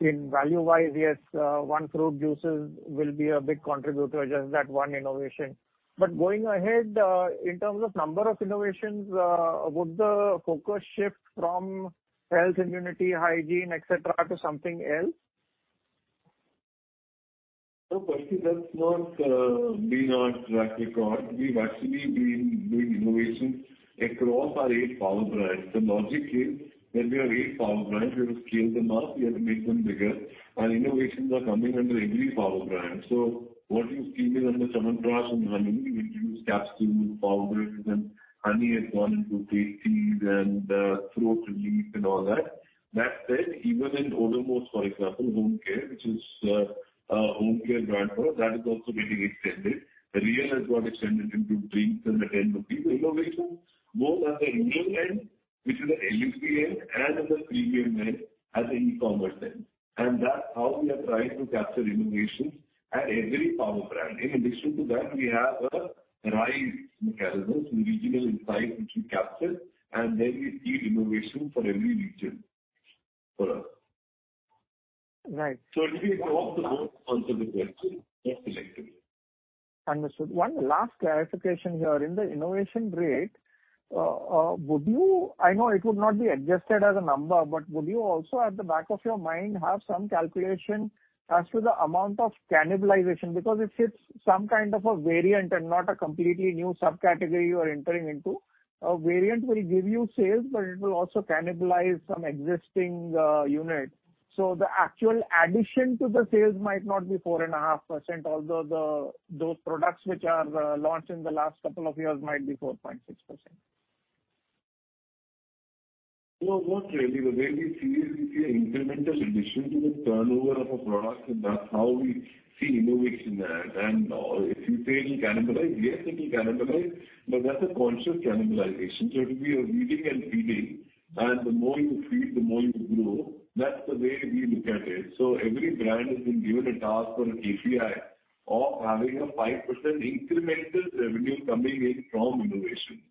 In value-wise, yes, one fruit juices will be a big contributor, just that one innovation. Going ahead, in terms of number of innovations, would the focus shift from health, immunity, hygiene, et cetera, to something else? No, Percy, that's not been our track record. We've actually been doing innovation across our eight power brands. The logic is when we have eight power brands, we have to scale them up, we have to make them bigger. Our innovations are coming under every power brand. What you see is under Chyawanprash and honey, we've used capsules and powders, and honey has gone into spreads and throat relief and all that. That said, even in Odomos, for example, home care, which is a home care brand for us, that is also being extended. Réal has got extended into drinks and Réal Activ Apple. Innovation, both at the Indian end, which is the LFP end, and at the premium end as an e-commerce end. That's how we are trying to capture innovations at every power brand. In addition to that, we have a RISE mechanism, so regional insights which we capture, and then we see innovation for every region for us. Right. It is across the board contribution. Understood. One last clarification here. In the innovation rate, I know it would not be adjusted as a number, but would you also, at the back of your mind, have some calculation as to the amount of cannibalization? Because if it's some kind of a variant and not a completely new subcategory you are entering into, a variant will give you sales, but it will also cannibalize some existing unit. So the actual addition to the sales might not be 4.5%, although those products which are launched in the last couple of years might be 4.6%. No, not really. The way we see it, we see an incremental addition to the turnover of a product, and that's how we see innovation. If you say it will cannibalize, yes, it will cannibalize, but that's a conscious cannibalization. It'll be a weeding and feeding. The more you feed, the more you grow. That's the way we look at it. Every brand has been given a task or a KPI of having a 5% incremental revenue coming in from innovation.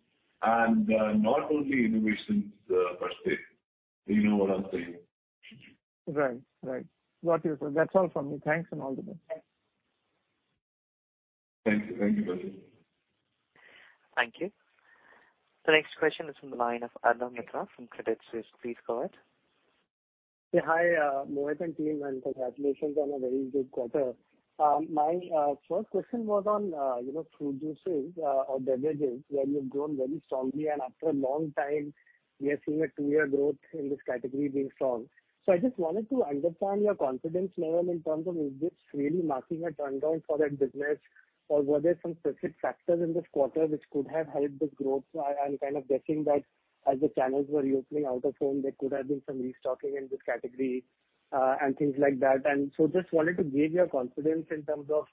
Not only innovations, Percy. Do you know what I'm saying? Right. Got you. That's all from me. Thanks and all the best. Thank you. Thank you, Percy. Thank you. The next question is from the line of Arnab Mitra from Credit Suisse. Please go ahead. Yeah, hi, Mohit and team, and congratulations on a very good quarter. My first question was on, you know, fruit juices or beverages, where you've grown very strongly and after a long time we are seeing a two-year growth in this category being strong. I just wanted to understand your confidence level in terms of is this really marking a turnaround for that business or were there some specific factors in this quarter which could have helped this growth? I'm kind of guessing that as the channels were reopening out of home, there could have been some restocking in this category and things like that. Just wanted to gauge your confidence in terms of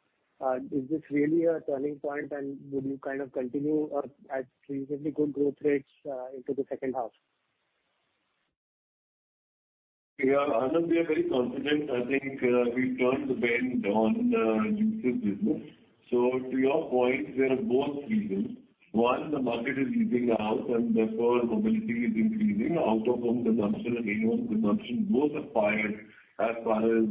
is this really a turning point, and would you kind of continue at reasonably good growth rates into the second half? Yeah, Arnab, we are very confident. I think, we've turned the corner on the juices business. To your point, there are both reasons. One, the market is easing out and therefore mobility is increasing. Out of home consumption and in-home consumption both are fired as far as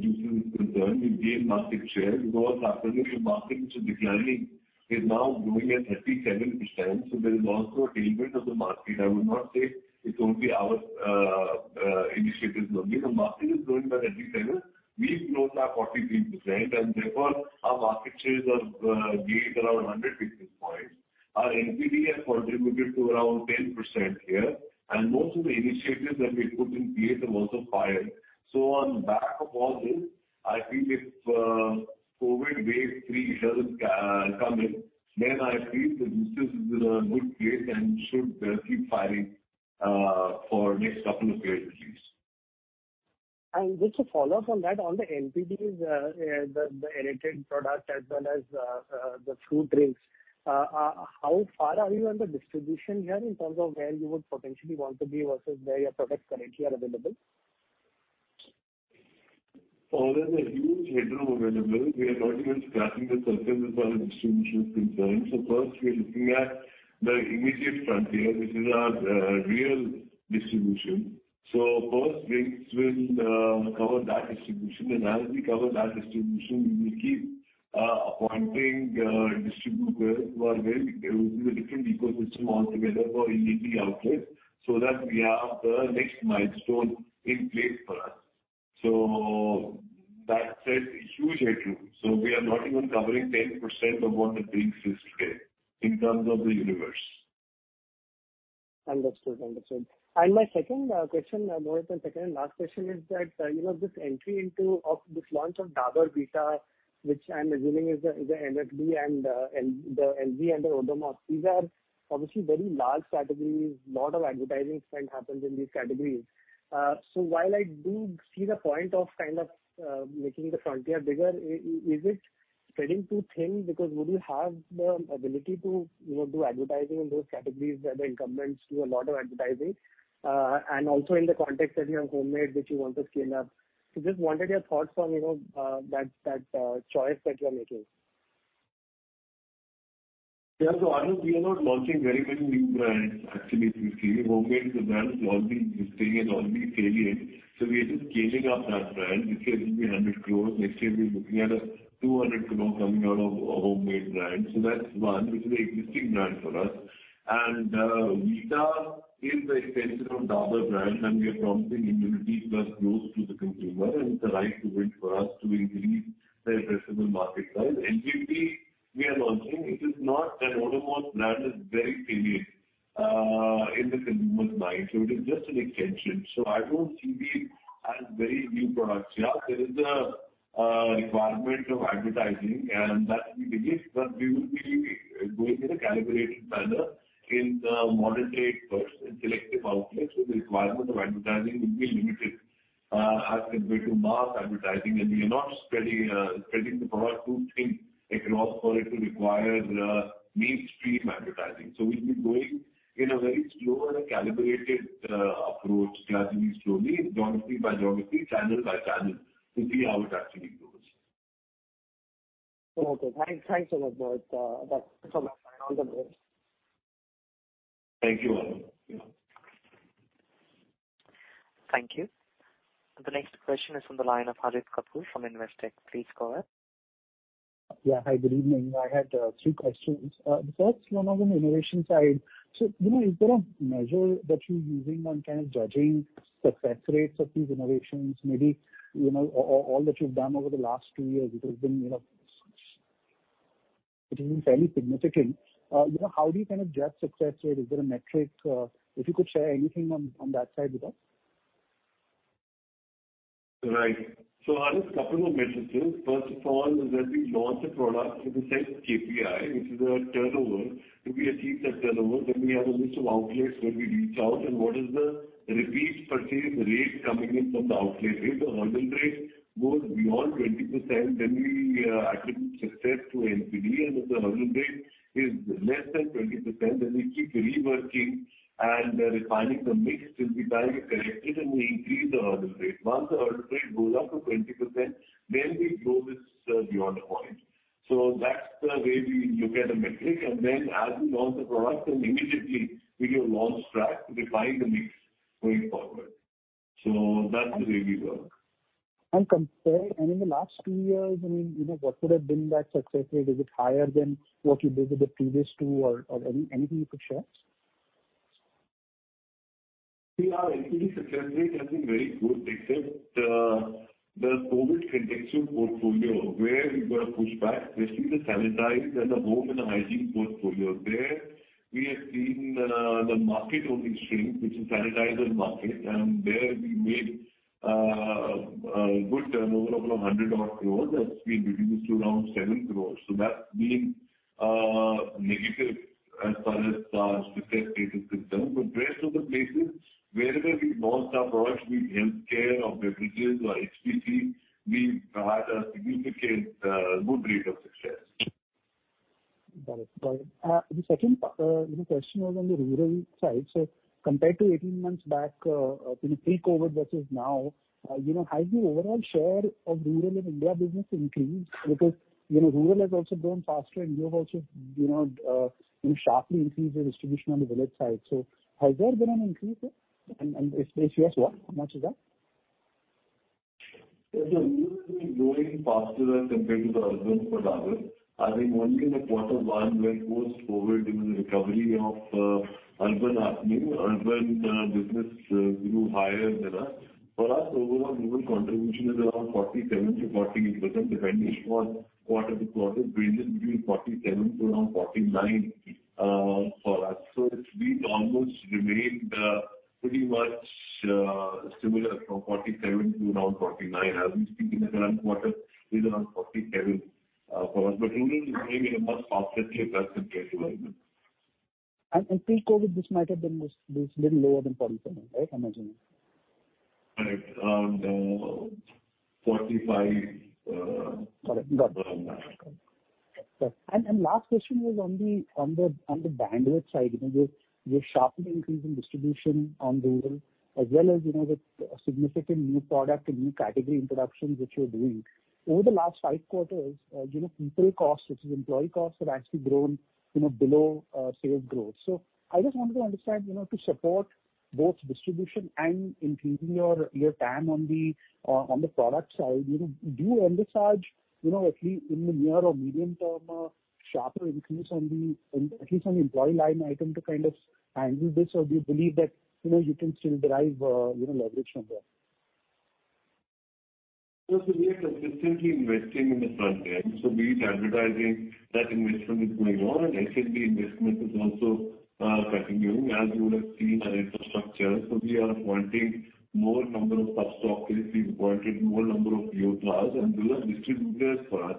juices is concerned. We've gained market share because our category of market which was declining is now growing at 37%. There is also a tailwind of the market. I would not say it's only our initiatives only. The market is growing by 37%. We've grown by 43%, and therefore our market shares have gained around a hundred basis points. Our NPD has contributed to around 10% here. Most of the initiatives that we put in place have also fired. On back of all this, I think if COVID wave three doesn't come in, then I feel that this is in a good place and should keep firing for next couple of years at least. Just to follow up on that, on the NPDs, the honey dates as well as the fruit drinks, how far are you on the distribution here in terms of where you would potentially want to be versus where your products currently are available? Well, there's a huge headroom available. We are not even scratching the surface as far as distribution is concerned. First we are looking at the immediate frontier, which is our Réal distribution. First drinks will cover that distribution. And as we cover that distribution, we will keep appointing distributors who are very... There will be a different ecosystem altogether for indie outlets, so that we have the next milestone in place for us. That said, huge headroom. We are not even covering 10% of what the drinks is today in terms of the universe. Understood. My second and last question, Mohit, is that this entry of this launch of Dabur Vita, which I'm assuming is the MFD and the new and the Odomos, these are obviously very large categories. A lot of advertising spend happens in these categories. While I do see the point of kind of making the frontier bigger, is it spreading too thin because would you have the ability to do advertising in those categories where the incumbents do a lot of advertising, and also in the context that you have Hommade, which you want to scale up. Just wanted your thoughts on that choice that you are making. Yeah. Arnab, we are not launching very many new brands actually this year. Hommade is a brand which has always been existing and always been salient. We are just scaling up that brand, which will be 100 crore. Next year we're looking at 200 crore coming out of a Hommade brand. That's one, which is an existing brand for us. Vita is the extension of Dabur brand, and we are promising immunity plus close to the consumer, and it's the right to win for us to increase the addressable market size. NCP, we are launching. It is not an autonomous brand. It's very premium in the consumer's mind. It is just an extension. I don't see them as very new products. Yes, there is a requirement of advertising, and that we believe that we will be going in a calibrated manner in the modern trade first in selective outlets. The requirement of advertising would be limited, as compared to mass advertising. We are not spreading the product too thin across for it to require mainstream advertising. We'll be going in a very slow and a calibrated approach, gradually, slowly, geography by geography, channel by channel, to see how it actually grows. Okay. Thanks so much for that. Thank you, Arnab. Thank you. The next question is from the line of Harit Kapoor from Investec. Please go ahead. Yeah. Hi, good evening. I had three questions. The first one on the innovation side. You know, is there a measure that you're using on kind of judging success rates of these innovations? Maybe, you know, all that you've done over the last two years, it has been fairly significant. You know, how do you kind of judge success rate? Is there a metric? If you could share anything on that side with us. Right. Harit, couple of metrics here. First of all, as we launch a product with a set KPI, which is a turnover, to be achieved that turnover, then we have a list of outlets where we reach out. What is the repeat purchase rate coming in from the outlet? If the hurdle rate goes beyond 20%, then we attribute success to NCP. If the hurdle rate is less than 20%, then we keep reworking and refining the mix till the time we correct it and we increase the hurdle rate. Once the hurdle rate goes up to 20%, then we grow this beyond a point. That's the way we look at a metric. Then as we launch the product, then immediately we do a launch track to refine the mix going forward. That's the way we work. In the last two years, I mean, you know, what would have been that success rate? Is it higher than what you did with the previous two or any, anything you could share? Yeah. NCP success rate has been very good, except the COVID contextual portfolio where we got a pushback, which is the sanitizer and the home and hygiene portfolio. There we have seen the market only shrink, which is sanitizer market. There we made a good turnover of 100-odd crore. That's been reduced to around 7 crore. That's been negative as far as our success rate is concerned. Rest of the places wherever we launched our products, be it healthcare or beverages or HPC, we had a significant good rate of success. Got it. The second, you know, question was on the rural side. Compared to 18 months back, you know, pre-COVID versus now, you know, has the overall share of rural India business increased? Because, you know, rural has also grown faster, and you have also, you know, sharply increased your distribution on the village side. Has there been an increase there? And if yes, what, how much is that? Yeah. Rural has been growing faster as compared to the urban for Dabur. I think only in the quarter 1, where post-COVID, you know, the recovery of urban happening, urban business grew higher than us. For us, overall rural contribution is around 47%-48%, depending which quarter to quarter. It ranges between 47% to around 49% for us. It's been almost remained pretty much similar from 47% to around 49%. As we speak in the current quarter, it's around 47% for us. Rural is growing at a much faster clip as compared to urban. Pre-COVID, this might have been a little lower than 47%, right? I'm assuming. Right. Around 45%, Got it. more or less. Last question was on the bandwidth side. You know, with sharply increasing distribution on rural as well as, you know, with significant new product and new category introductions which you're doing. Over the last five quarters, people costs such as employee costs have actually grown below sales growth. I just wanted to understand, you know, to support both distribution and increasing your TAM on the product side, you know, do you envisage, you know, at least in the near or medium term, sharper increase, at least on the employee line item to kind of handle this? Or do you believe that, you know, you can still derive leverage from there? We are consistently investing in the front end. Be it advertising, that investment is going on, and A&P investment is also continuing as you would have seen our infrastructure. We are appointing more number of sub-stockists. We've appointed more number of PO Plus. And those are distributors for us.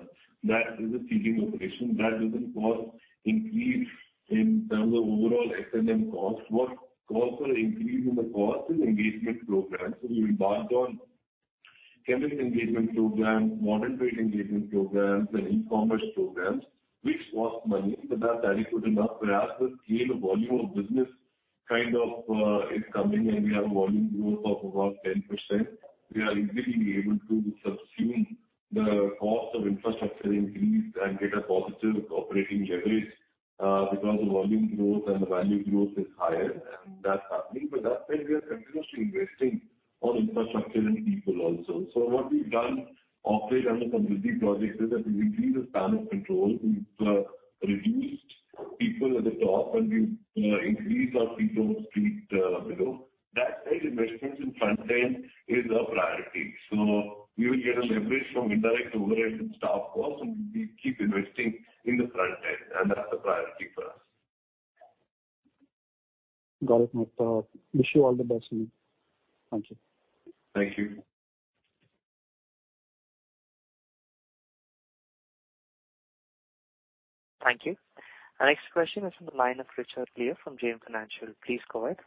That is a seeding operation. That doesn't cause increase in terms of overall S&M cost. What cause for increase in the cost is engagement programs. We embark on general engagement program, modern trade engagement programs and e-commerce programs, which cost money, but that's adequate enough for us to scale the volume of business kind of is coming in. We have a volume growth of about 10%. We are easily able to subsume the cost of infrastructure increase and get a positive operating leverage, because the volume growth and the value growth is higher and that's happening. That said, we are continuously investing on infrastructure and people also. What we've done of late on the competency project is that we've increased the span of control. We've reduced people at the top, and we've increased our people strength below. That said, investments in front end is our priority. We will get a leverage from indirect overhead and staff costs, and we keep investing in the front end, and that's the priority for us. Got it, Mohit. Wish you all the best. Thank you. Thank you. Thank you. Our next question is from the line of Richard Liu from JM Financial. Please go ahead.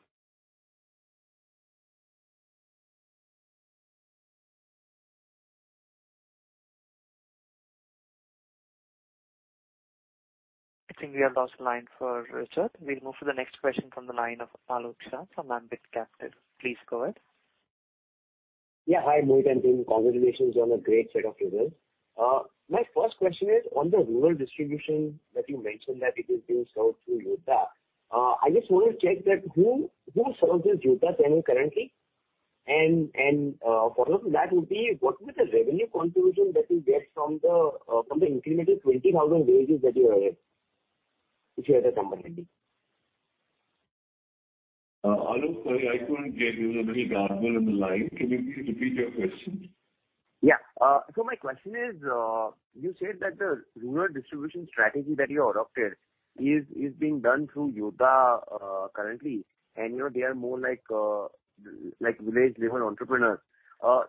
I think we have lost the line for Richard. We'll move to the next question from the line of Alok Shah from Ambit Capital. Please go ahead. Yeah, hi Mohit and team. Congratulations on a great set of results. My first question is on the rural distribution that you mentioned that it is being served through Yoddha. I just want to check that who serves this Yoddha channel currently? Follow up to that would be what would be the revenue contribution that you get from the incremental 20,000 villages that you added, if you have that number handy. Alok, sorry, I couldn't get you. You were very garbled on the line. Can you please repeat your question? Yeah, my question is, you said that the rural distribution strategy that you adopted is being done through Yoddha currently, and you know, they are more like village level entrepreneurs.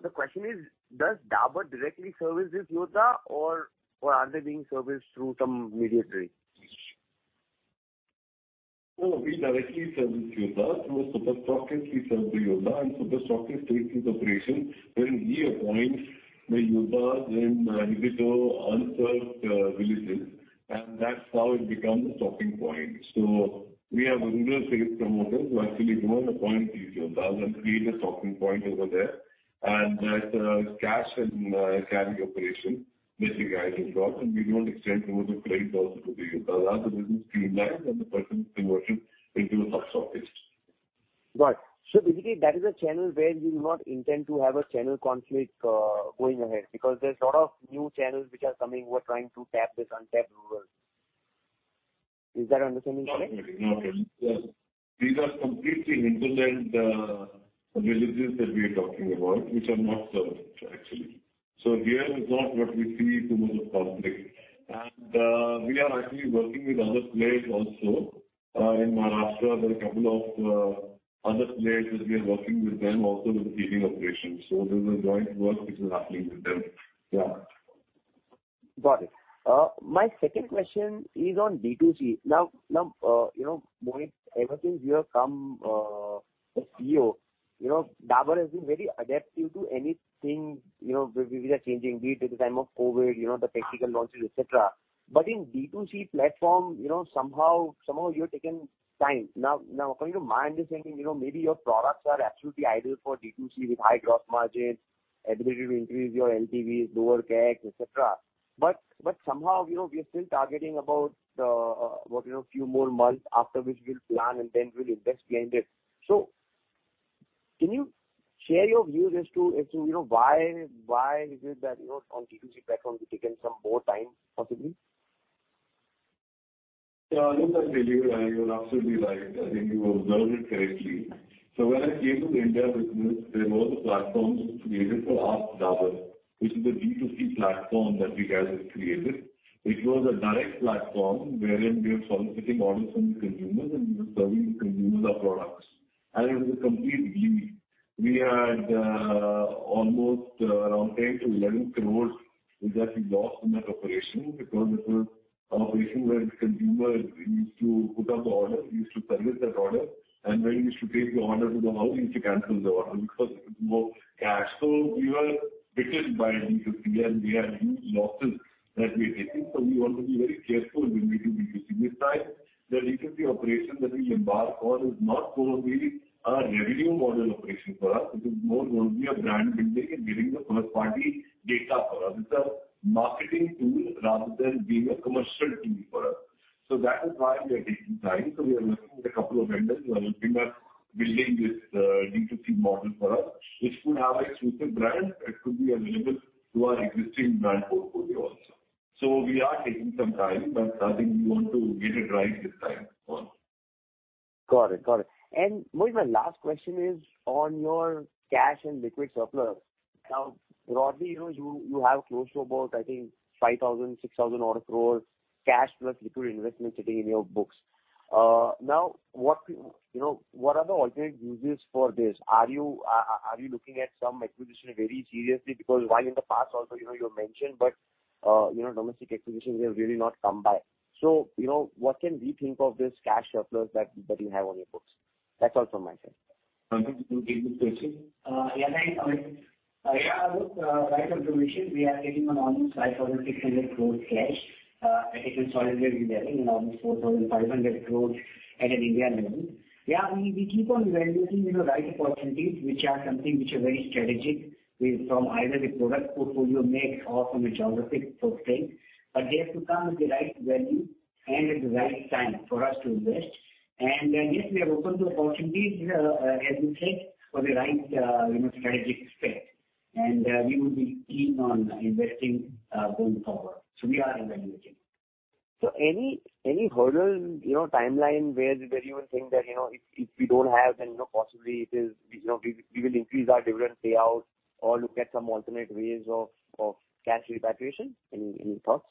The question is, does Dabur directly service this Yoddha or are they being serviced through some intermediary? No, we directly service Yoddha. Through a Super Stockist we serve the Yoddha, and Super Stockist takes his operation wherein he appoints the Yoddhas in digitally unserved villages, and that's how it becomes a stocking point. We have a rural sales promoter who actually go and appoint these Yoddhas and create a stocking point over there. That is cash and carry operation which these guys have got, and we don't extend modes of credit also to the Yoddha. That's a business streamlined and the person is converted into a sub stockist. Got it. Basically that is a channel where you do not intend to have a channel conflict, going ahead because there's lot of new channels which are coming who are trying to tap this untapped rural. Is that understanding correct? Absolutely. Yes. These are completely hinterland villages that we are talking about which are not served actually. Here we do not see too much of conflict. We are actually working with other players also. In Maharashtra, there are a couple of other players which we are working with them also with the feeding operation. There's a joint work which is happening with them. Yeah. Got it. My second question is on D2C. Now, you know, Mohit, ever since you have come as CEO, you know, Dabur has been very adaptive to anything, you know, with the changing, be it the time of COVID, you know, the digital launches, et cetera. But in D2C platform, you know, somehow you have taken time. Now according to my understanding, you know, maybe your products are absolutely ideal for D2C with high gross margins, ability to increase your LTVs, lower CACs, et cetera. But somehow, you know, we are still targeting about, you know, few more months after which we'll plan and then we'll invest behind it. Can you share your views as to, you know, why is it that, you know, on D2C platform you've taken some more time possibly? Yeah, Alok, I hear you. You're absolutely right. I think you observed it correctly. When I came to the India business, there was a platform which was created for Ask Dabur, which is a D2C platform that we guys had created. It was a direct platform wherein we were soliciting orders from the consumers, and we were serving consumers our products. It was a complete failure. We had almost around 10 crore-11 crore which has been lost in that operation because it was an operation where the consumer used to put up the order. We used to service that order. When he used to take the order to the house, he used to cancel the order because it involved cash. We were bitten by D2C, and we had huge losses that we had taken. We want to be very careful with D2C this time. The D2C operation that we embark on is not going to be a revenue model operation for us. It is more going to be a brand building and giving the first party data for us. It's a marketing tool rather than being a commercial tool for us. That is why we are taking time. We are working with a couple of vendors who are helping us building this, D2C model for us, which could have a suited brand that could be available to our existing brand portfolio also. We are taking some time, but I think we want to get it right this time as well. Got it. Mohit, my last question is on your cash and liquid surplus. Now, broadly, you know, you have close to about, I think, 5,000-6,000 odd crores cash plus liquid investment sitting in your books. Now, you know, what are the alternate uses for this? Are you looking at some acquisition very seriously? Because while in the past also, you know, you have mentioned, but, you know, domestic acquisitions they have really not come by. You know, what can we think of this cash surplus that you have on your books? That's all from my side. Thank you. Right observation. We are getting almost INR 5,600 crore cash. It is solidly there, you know, almost INR 4,500 crore at an India level. We keep on evaluating, you know, right opportunities, which are very strategic from either the product portfolio mix or from a geographic perspective. They have to come with the right value and at the right time for us to invest. Yes, we are open to opportunities, as you said, for the right, you know, strategic fit. We would be keen on investing, going forward. We are evaluating. Any hurdle, you know, timeline where you would think that, you know, if we don't have then, you know, possibly it is, you know, we will increase our dividend payout or look at some alternate ways of cash repatriation? Any thoughts?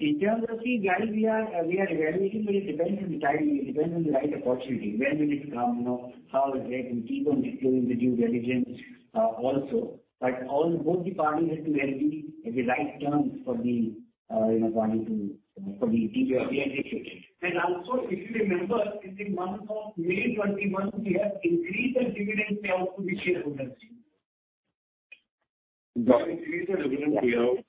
In terms of see where we are, we are evaluating, but it depends on the timing. It depends on the right opportunity. When will it come, you know, how, where we keep on doing the due diligence, also. But both the parties have to agree at the right terms for the, you know, planning to, for the. Also, if you remember, in the month of May 2021, we have increased the dividend payout to the shareholders. We increased the dividend payout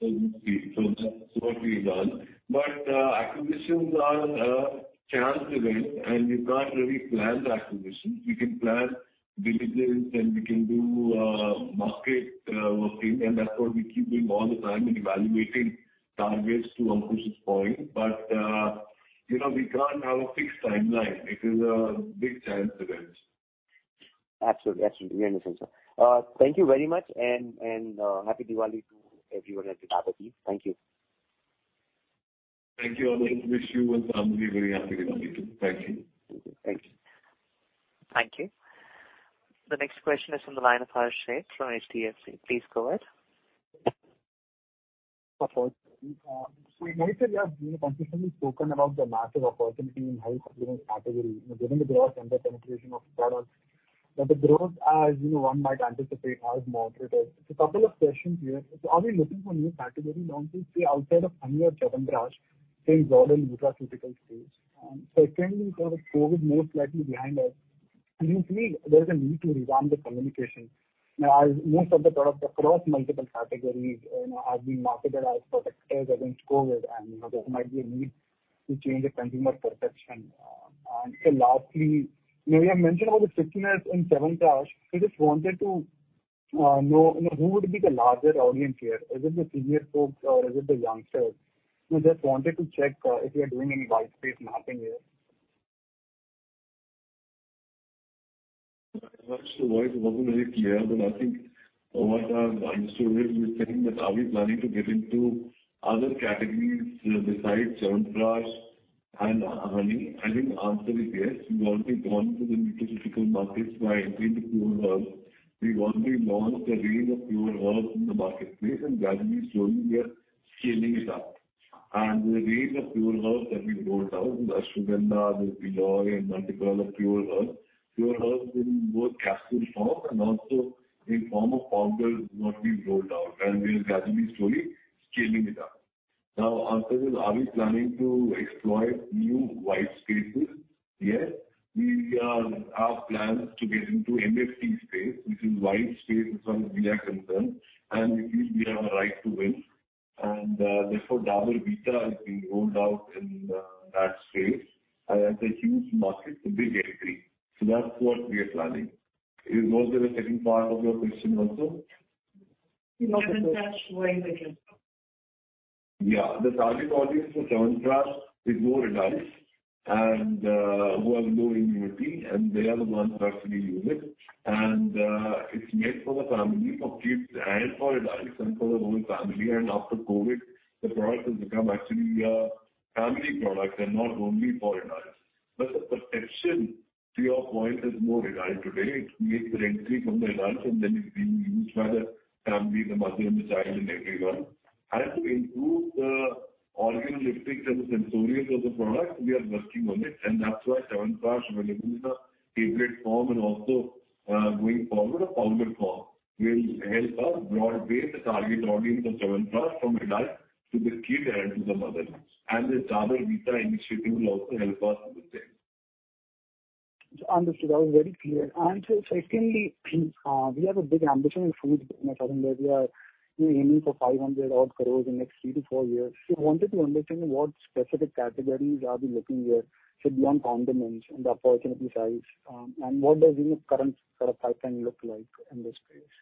so that's what we've done. Acquisitions are a chance event, and we can't really plan the acquisitions. We can plan diligence, and we can do market working. That's what we keep doing all the time and evaluating targets to Ankush's point. You know, we can't have a fixed timeline. It is a big chance event. Absolutely. We understand, sir. Thank you very much and Happy Diwali to everyone at Dabur Group. Thank you. Thank you. I wish you and family a very Happy Diwali too. Thank you. Thank you. Thank you. The next question is from the line of Harsh Shah from HDFC. Please go ahead. In my view, you have, you know, consistently spoken about the massive opportunity in health supplement category, you know, given the growth and the penetration of the products. The growth, as you know, one might anticipate, has moderated. Couple of questions here. Are we looking for new categories honestly, say, outside of honey or Chyawanprash, say, involved in nutraceutical space? Secondly, with COVID most likely behind us, do you see there is a need to revamp the communication as most of the products across multiple categories, you know, are being marketed as protectors against COVID, and, you know, there might be a need to change the consumer perception. And lastly, you know, you have mentioned about the stickiness in Chyawanprash. I just wanted to know, you know, who would be the larger audience here. Is it the senior folks or is it the youngsters? You know, just wanted to check if you are doing any white space mapping here. Harsh, your voice wasn't very clear, but I think what I understood is you're saying that are we planning to get into other categories besides Chyawanprash and honey. I think the answer is yes. We've already gone to the nutraceutical markets by entering the Pure Herbs. We've already launched a range of Pure Herbs in the marketplace, and gradually, slowly we are scaling it up. The range of Pure Herbs that we've rolled out, the Ashwagandha, the Giloy, and multiple of Pure Herbs. Pure Herbs in both capsule form and also in form of powders is what we've rolled out, and we're gradually, slowly scaling it up. Now, answer is, are we planning to explore new white spaces? Yes. We have plans to get into OTC space, which is white space as far as we are concerned, and we feel we have a right to win. Therefore, Dabur Vita is being rolled out in that space. It's a huge market with big A3. That's what we are planning. Is there a second part of your question also? Chyawanprash audience. Yeah. The target audience for Chyawanprash is more adults and who have low immunity, and they are the ones who actually use it. It's made for the family, for kids and for adults and for the whole family. After COVID, the product has become actually a family product and not only for adults. The perception, to your point, is more adult today. It makes the entry from the adults, and then it's being used by the family, the mother and the child and everyone. To improve the organoleptics and the sensorials of the product, we are working on it. That's why Chyawanprash will be in the tablet form and also going forward, a powder form will help us broaden the target audience of Chyawanprash from adult to the kid and to the mother. This Dabur Vita initiative will also help us with it. Understood. That was very clear. Secondly, we have a big ambition in food business. I think we are aiming for 500-odd crores in next three to four years. Wanted to understand what specific categories are we looking here beyond condiments and the footprint size, and what does current product pipeline look like in this space?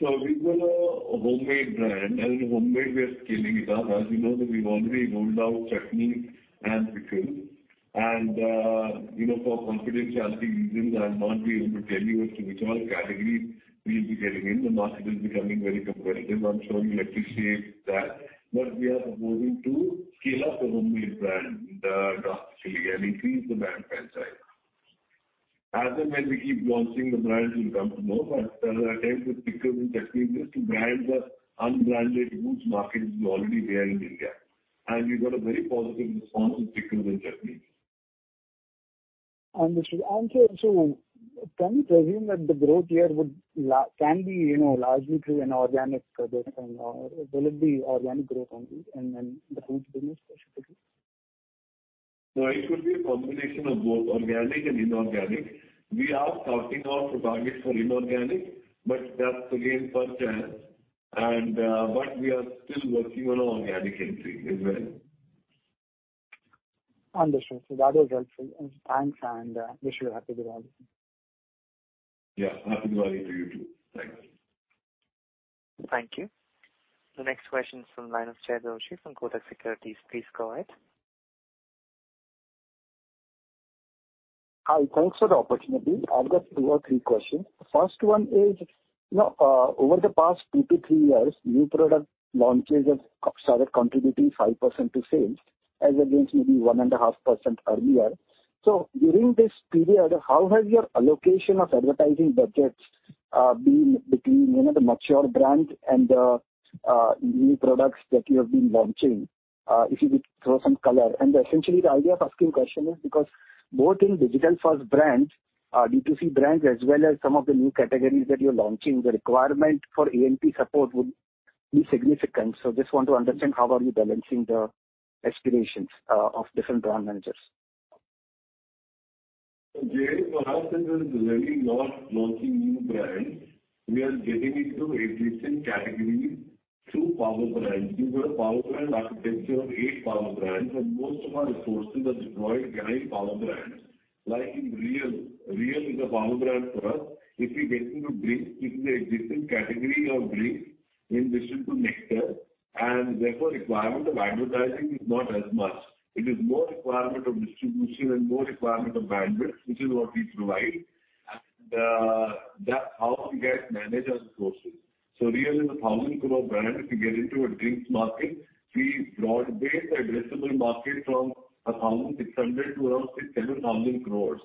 We've got a Hommade brand, and in Hommade we are scaling it up. As you know that we've already rolled out chutney and pickle. You know, for confidentiality reasons, I'll not be able to tell you as to which all categories we'll be getting in. The market is becoming very competitive. I'm sure you appreciate that. We are proposing to scale up the Hommade brand, drastically and increase the brand franchise. As and when we keep launching the brands, you'll come to know. As I attempt with pickles and chutneys is to brand the unbranded foods market which is already there in India. We got a very positive response with pickles and chutneys. Understood. Can we presume that the growth here can be, you know, largely through an organic or will it be organic growth only and then the foods business specifically? No, it could be a combination of both organic and inorganic. We are starting off the targets for inorganic, but that's again first half. We are still working on organic entry as well. Understood. That was helpful. Thanks and wish you a happy Diwali. Yeah, happy Diwali to you, too. Thanks. Thank you. The next question is from Jaykumar Doshi from Kotak Securities. Please go ahead. Hi. Thanks for the opportunity. I've got two or three questions. First one is, you know, over the past 2-3 years, new product launches have started contributing 5% to sales as against maybe 1.5% earlier. During this period, how has your allocation of advertising budgets been between, you know, the mature brand and the new products that you have been launching? If you could throw some color. Essentially the idea of asking question is because both in digital first brands, D2C brands, as well as some of the new categories that you're launching, the requirement for A&P support would be significant. Just want to understand how are you balancing the aspirations of different brand managers. We are really not launching new brands. We are getting into existing categories through power brands. We've got a power brand architecture of eight power brands, and most of our resources are deployed behind power brands. Like in Réal. Réal is a power brand for us. If we get into drinks, it's an existing category of drinks in addition to nectar, and therefore requirement of advertising is not as much. It is more requirement of distribution and more requirement of bandwidth, which is what we provide. That's how we get management resources. Réal is a 1,000 crore brand. If we get into a drinks market, we broaden the addressable market from 1,600 crore to around 6,000 crore-7,000 crore,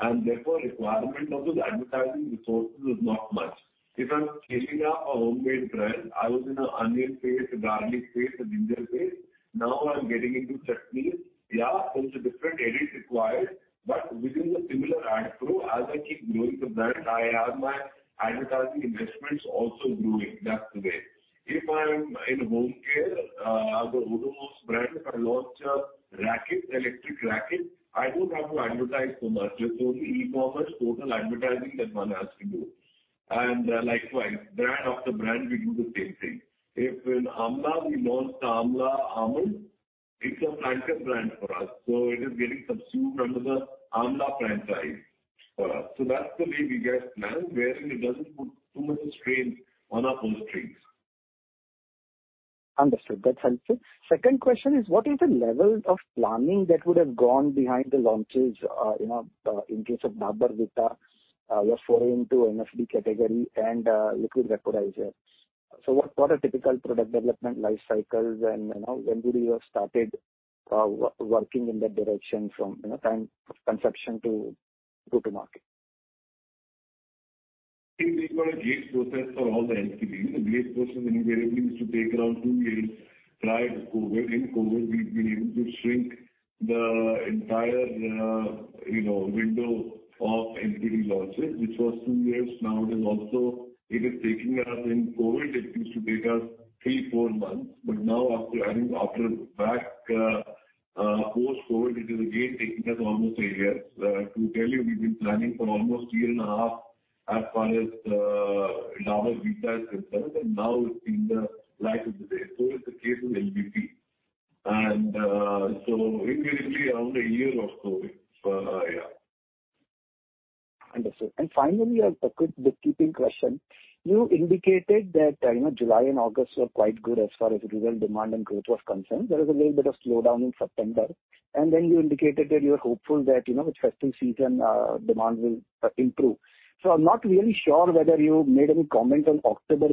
and therefore requirement of those advertising resources is not much. If I'm scaling up a Hommade brand, I was in an onion paste, a garlic paste, a ginger paste. Now I'm getting into chutneys. Yeah, there's a different ad set required, but within the similar ad group, as I keep growing the brand, I have my advertising investments also growing. That's the way. If I'm in home care, the Odomos brand, if I launch a racket, electric racket, I don't have to advertise so much. It's only e-commerce, total advertising that one has to do. Likewise, brand after brand, we do the same thing. If in Amla we launched Amla Almond, it's a flanker brand for us, so it is getting consumed under the Amla franchise for us. That's the way we plan it, wherein it doesn't put too much strain on our cash flows. Understood. That's helpful. Second question is what is the level of planning that would have gone behind the launches, you know, in case of Dabur Vita, your foray into MFD category and liquid vaporizer. So what are typical product development life cycles and, you know, when would you have started working in that direction from, you know, time, conception to go to market? I think we've got a gate process for all the NPD. The gate process invariably used to take around two years prior to COVID. In COVID, we've been able to shrink the entire, you know, window of NPD launches, which was two years. Now, in COVID, it used to take us 3-4 months. Now post COVID, it is again taking us almost a year. To tell you, we've been planning for almost a year and a half as far as Dabur Vita is concerned, and now it's seeing the light of the day. It's the case with LVP. Invariably around a year post COVID. Yeah. Understood. Finally, a quick housekeeping question. You indicated that, you know, July and August were quite good as far as rural demand and growth was concerned. There was a little bit of slowdown in September, and then you indicated that you are hopeful that, you know, with festive season, demand will improve. I'm not really sure whether you made any comment on October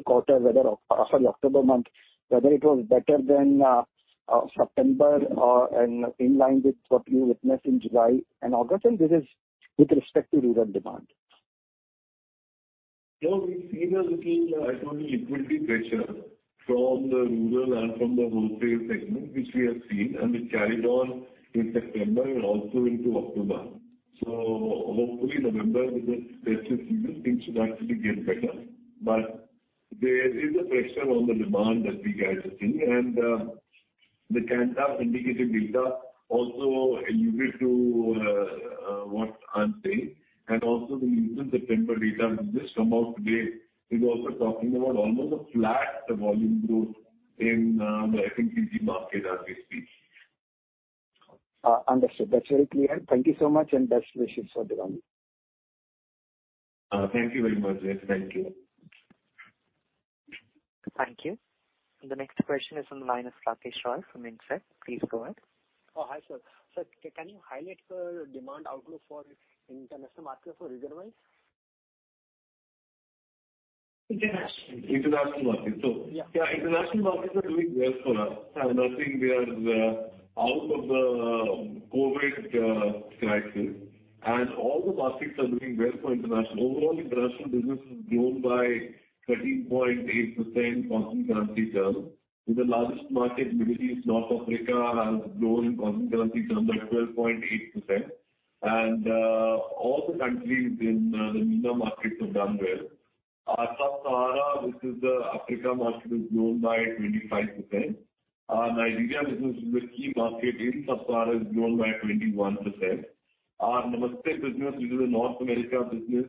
month, whether it was better than September or and in line with what you witnessed in July and August. This is with respect to rural demand. No, we've seen a little, I told you, liquidity pressure from the rural and from the wholesale segment, which we have seen, and it carried on in September and also into October. Hopefully November with the festive season, things should actually get better. There is a pressure on the demand that we guys are seeing, and the Kantar indicative data also alluded to what I'm saying. The recent September data which just come out today is also talking about almost a flat volume growth in the FMCG market as we speak. Understood. That's very clear. Thank you so much, and best wishes for Diwali. Thank you very much. Yes, thank you. Thank you. The next question is on the line of [Rakesh Roy] from InCred. Please go ahead. Oh, hi, sir. Sir, can you highlight the demand outlook for international markets, rural-wise? International market. Yeah. International markets are doing well for us. I'm not saying they are out of the COVID crisis, and all the markets are doing well for international. Overall, international business has grown by 13.8% constant currency terms. With the largest market, Middle East, North Africa, has grown in constant currency terms by 12.8%. All the countries in the MENA markets have done well. Our Sub-Saharan, which is the Africa market, has grown by 25%. Our Nigeria business, which is a key market in Sub-Saharan, has grown by 21%. Our Namaste business, which is a North America business,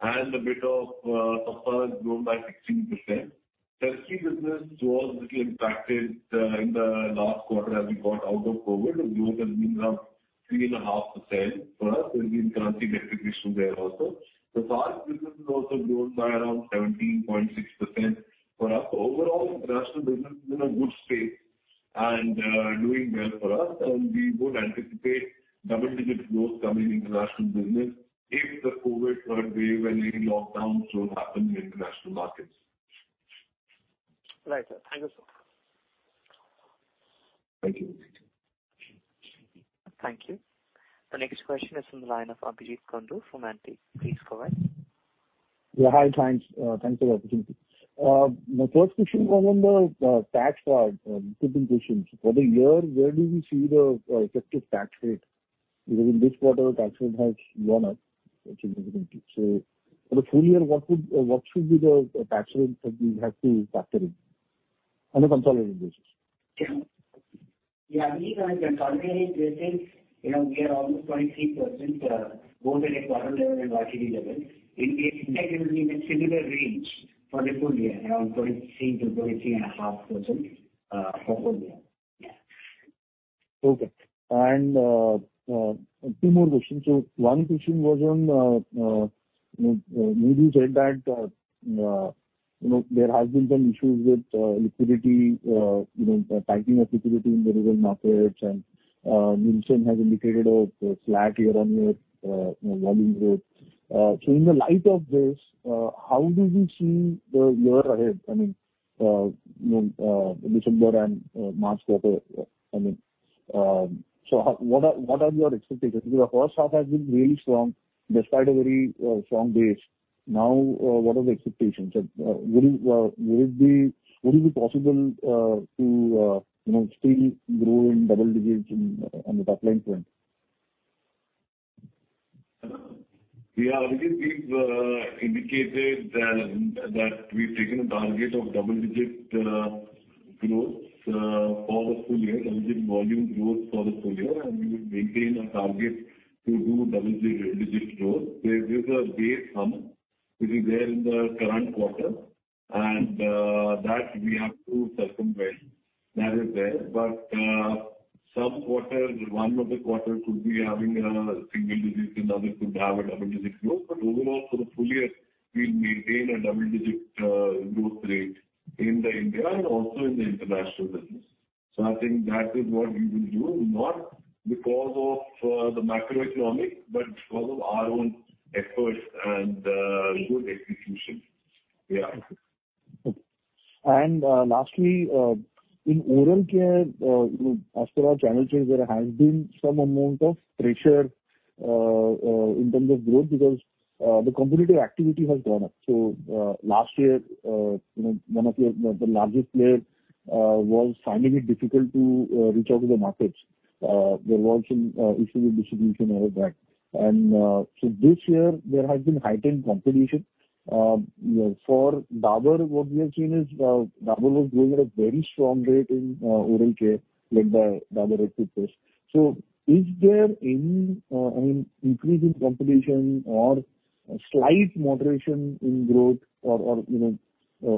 and a bit of Sub-Saharan has grown by 16%. Turkey business, which was a little impacted in the last quarter as we got out of COVID, has been around 3.5% for us. There's been currency depreciation there also. The FAR business has also grown by around 17.6% for us. Overall, international business is in a good space and doing well for us. We would anticipate double-digit growth coming international business if the COVID third wave and any lockdowns don't happen in international markets. Right, sir. Thank you, sir. Thank you. Thank you. The next question is from the line of Abhijeet Kundu from Antique. Please go ahead. Yeah, hi. Thanks for the opportunity. My first question was on the tax side, two things. For the year, where do we see the effective tax rate? Because in this quarter, tax rate has gone up significantly. For the full year, what should be the tax rate that we have to factor in on a consolidated basis? I believe on a consolidated basis, you know, we are almost 23%, both at a quarter level and YTD level. We expect it will be in a similar range for the full year, around 23%-23.5%, for full year. Okay. Two more questions. One question was on, you know, Mohit said that, you know, there has been some issues with, liquidity, you know, tightening of liquidity in the rural markets and, Nielsen has indicated a flat year-on-year, you know, volume growth. In the light of this, how do we see the year ahead? I mean, you know, December and March quarter, I mean, what are your expectations? Because the first half has been really strong despite a very strong base. Now, what are the expectations? Will it be possible to, you know, still grow in double digits on the top-line front? Yeah. Abhijeet, we've indicated that we've taken a target of double-digit growth for the full year, double-digit volume growth for the full year, and we will maintain our target to do double-digit growth. There is a base hump, which is there in the current quarter, and that we have to circumvent. That is there. Some quarters, one of the quarters could be having a single-digit and other could have a double-digit growth. Overall, for the full year, we'll maintain a double-digit growth rate in India and also in the international business. I think that is what we will do, not because of the macroeconomic, but because of our own efforts and good execution. Yeah. Okay. Lastly, in oral care, you know, as per our channel checks, there has been some amount of pressure in terms of growth because the competitive activity has gone up. Last year, you know, one of your, the largest players was finding it difficult to reach out to the markets. There was some issue with distribution I heard that. This year there has been heightened competition. You know, for Dabur, what we have seen is, Dabur was growing at a very strong rate in oral care, led by Dabur Red Toothpaste. Is there any, I mean, increase in competition or a slight moderation in growth or, you know,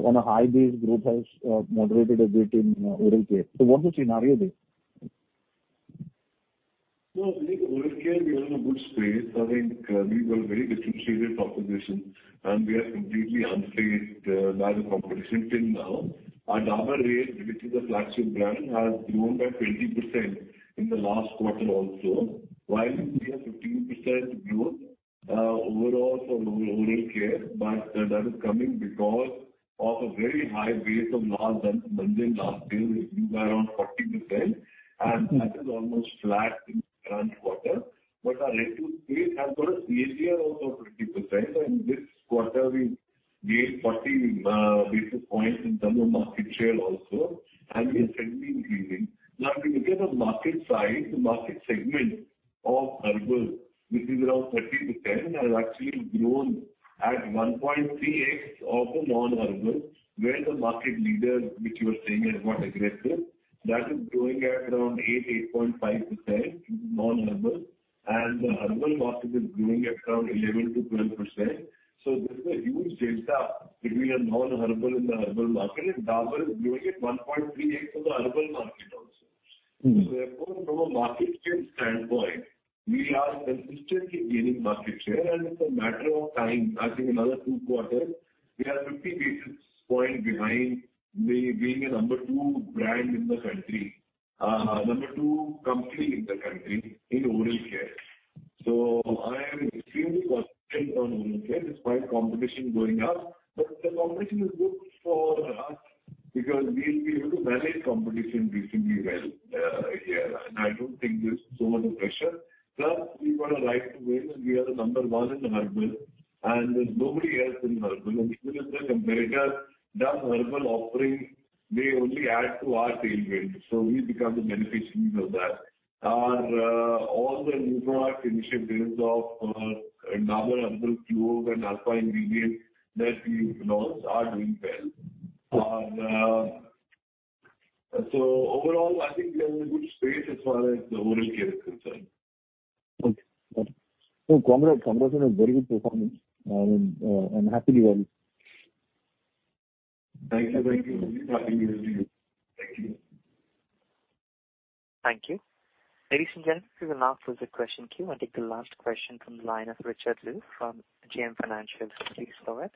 on a high base growth has moderated a bit in oral care. What's the scenario there? No, I think oral care, we are in a good space. I think we've got a very differentiated proposition, and we are completely unfazed by the competition till now. Our Dabur Red, which is a flagship brand, has grown by 20% in the last quarter also. While we have 15% growth overall for oral care, but that is coming because of a very high base of last year, which grew by around 40%, and that is almost flat in current quarter. Our Red Toothpaste has grown CAGR of over 20%, and this quarter we gained 40 basis points in terms of market share also, and we are steadily increasing. Now, if you look at the market size, the market segment of herbal, which is around 30%-10%, has actually grown at 1.3x of the non-herbal, where the market leader, which you are saying has got aggressive, that is growing at around 8%-8.5% non-herbal, and the herbal market is growing at around 11%-12%. There's a huge delta between the non-herbal and the herbal market, and Dabur is growing at 1.3x of the herbal market also. Mm-hmm. Therefore, from a market share standpoint, we are consistently gaining market share, and it's a matter of time. I think another two quarters, we are 50 basis point behind being a number 2 brand in the country, number 2 company in the country in oral care. I am extremely positive on oral care despite competition going up. The competition is good for us because we've been able to manage competition recently well. I don't think there's so much pressure. Plus, we've got a right to win, and we are the number 1 in herbal, and there's nobody else in herbal. Even if the competitor does herbal offerings, they only add to our tailwind. We become the beneficiaries of that. All the new product initiatives of Dabur Herb'l Clove and herbal ingredients that we've launched are doing well. Overall, I think we're in a good space as far as the oral care is concerned. Okay, got it. Congrats on a very good performance, and happily well. Thank you. Happy new year to you. Thank you. Thank you. Ladies and gentlemen, this is the last of the question queue. I'll take the last question from the line of Richard Liu from JM Financial. Please go ahead.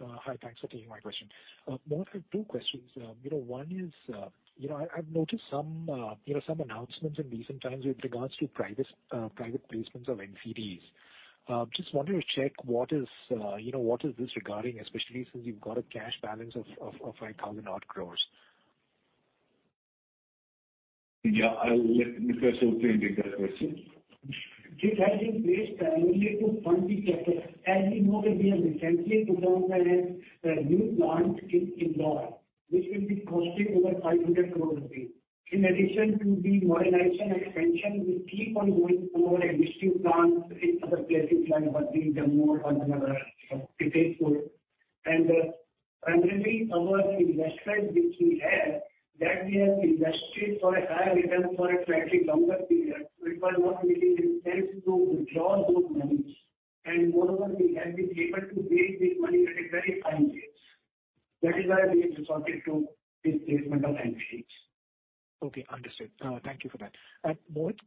Hi. Thanks for taking my question. Mohit, I have two questions. You know, one is, you know, I've noticed some, you know, some announcements in recent times with regards to private placements of NCDs. Just wanted to check what is, you know, what is this regarding, especially since you've got a cash balance of 5,000 odd crores. Yeah. I'll let Mr. Ankush Jain take that question. It has been placed only to fund the CapEx. As you know that we have recently put up a new plant in Indore, which will be costing over 500 crore rupees. In addition to the modernization and expansion, we keep on going for our existing plants in other places like Vadodara, Jammu, Tezpur. Primarily our investment which we have invested for a higher return for a slightly longer period. We were not really in a position to withdraw those monies. Moreover, we have been able to raise this money at a very fine rate. That is why we have resorted to this placement of NCDs. Okay, understood. Thank you for that. Mohit,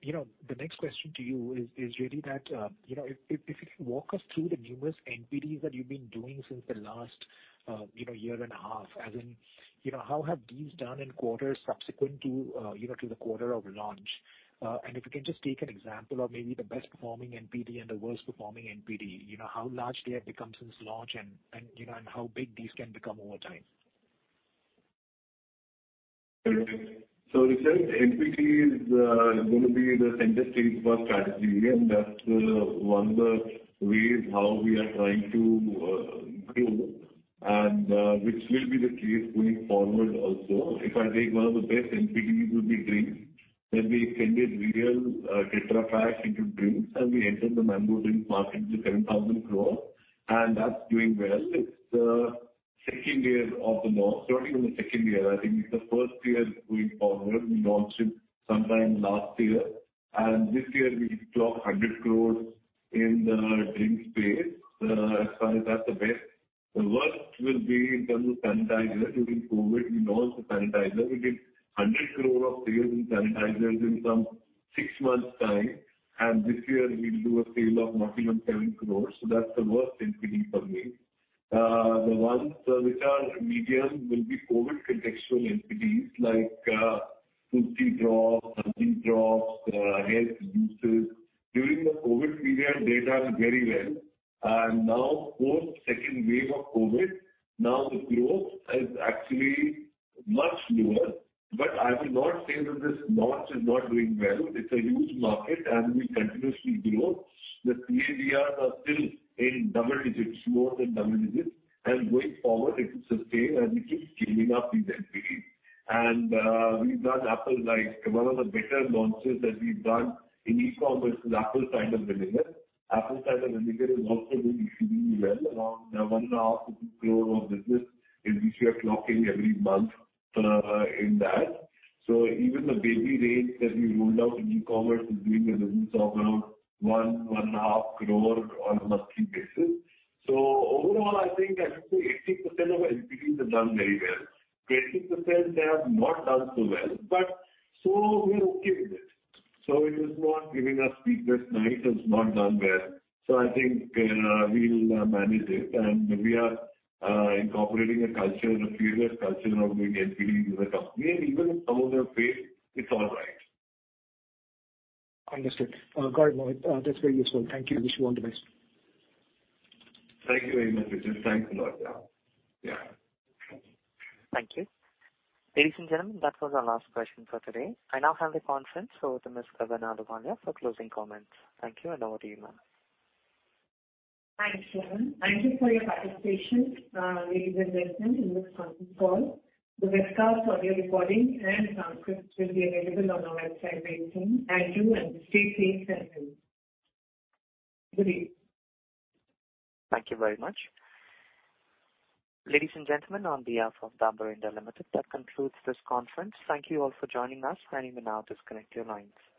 you know, the next question to you is really that, you know, if you can walk us through the numerous NPDs that you've been doing since the last year and a half. As in, you know, how have these done in quarters subsequent to the quarter of launch? And if you can just take an example of maybe the best performing NPD and the worst performing NPD. You know, how large they have become since launch and, you know, and how big these can become over time. Richard, NPD is gonna be the center stage for our strategy, and that's one of the ways how we are trying to grow and which will be the case going forward also. If I take one of the best NPD would be drinks. When we extended Réal Tetra Pak into drinks, and we entered the mango drinks market with 10,000 crore, and that's doing well. It's the second year of the launch. Starting from the second year. I think it's the first year going forward. We launched it sometime last year. This year we clocked 100 crore in the drinks space. As far as that's the best. The worst will be in terms of sanitizer. During COVID, we launched a sanitizer. We did 100 crore of sales in sanitizers in some six months' time. This year we'll do a sale of maximum 7 crore. That's the worst NPD for me. The ones which are medium will be COVID contextual NPDs like Tulsi Drops, Nasal drops, health juices. During the COVID period, they done very well. Now post second wave of COVID, the growth is actually much lower. I will not say that this launch is not doing well. It's a huge market, and we continuously grow. The CAGRs are still in double digits, more than double digits. Going forward, it will sustain as we keep scaling up these NPDs. We've done Apple Cider. One of the better launches that we've done in e-commerce is Apple Cider Vinegar. Apple Cider Vinegar is also doing extremely well. Around 1.5 crore of business is which we are clocking every month in that. Even the baby range that we rolled out in e-commerce is doing a business of around 1 crore-1.5 crore on a monthly basis. Overall, I think I would say 80% of our NPDs have done very well. 20%, they have not done so well, but we're okay with it. It is not giving us sleepless nights, it's not done well. I think we'll manage it. We are incorporating a culture, the fearless culture of new NPD into the company. Even if some of them fail, it's all right. Understood. Got it, Mohit. That's very useful. Thank you. Wish you all the best. Thank you very much, Richard. Thanks a lot. Yeah. Thank you. Ladies and gentlemen, that was our last question for today. I now hand the conference over to Ms. Gagan Ahluwalia for closing comments. Thank you, and over to you, ma'am. Thanks, Shivan. Thank you for your participation, ladies and gentlemen, in this conference call. The webcast, audio recording and transcript will be available on our website by evening. Thank you, and stay safe and healthy. Good day. Thank you very much. Ladies and gentlemen, on behalf of Dabur India Limited, that concludes this conference. Thank you all for joining us. You may now disconnect your lines.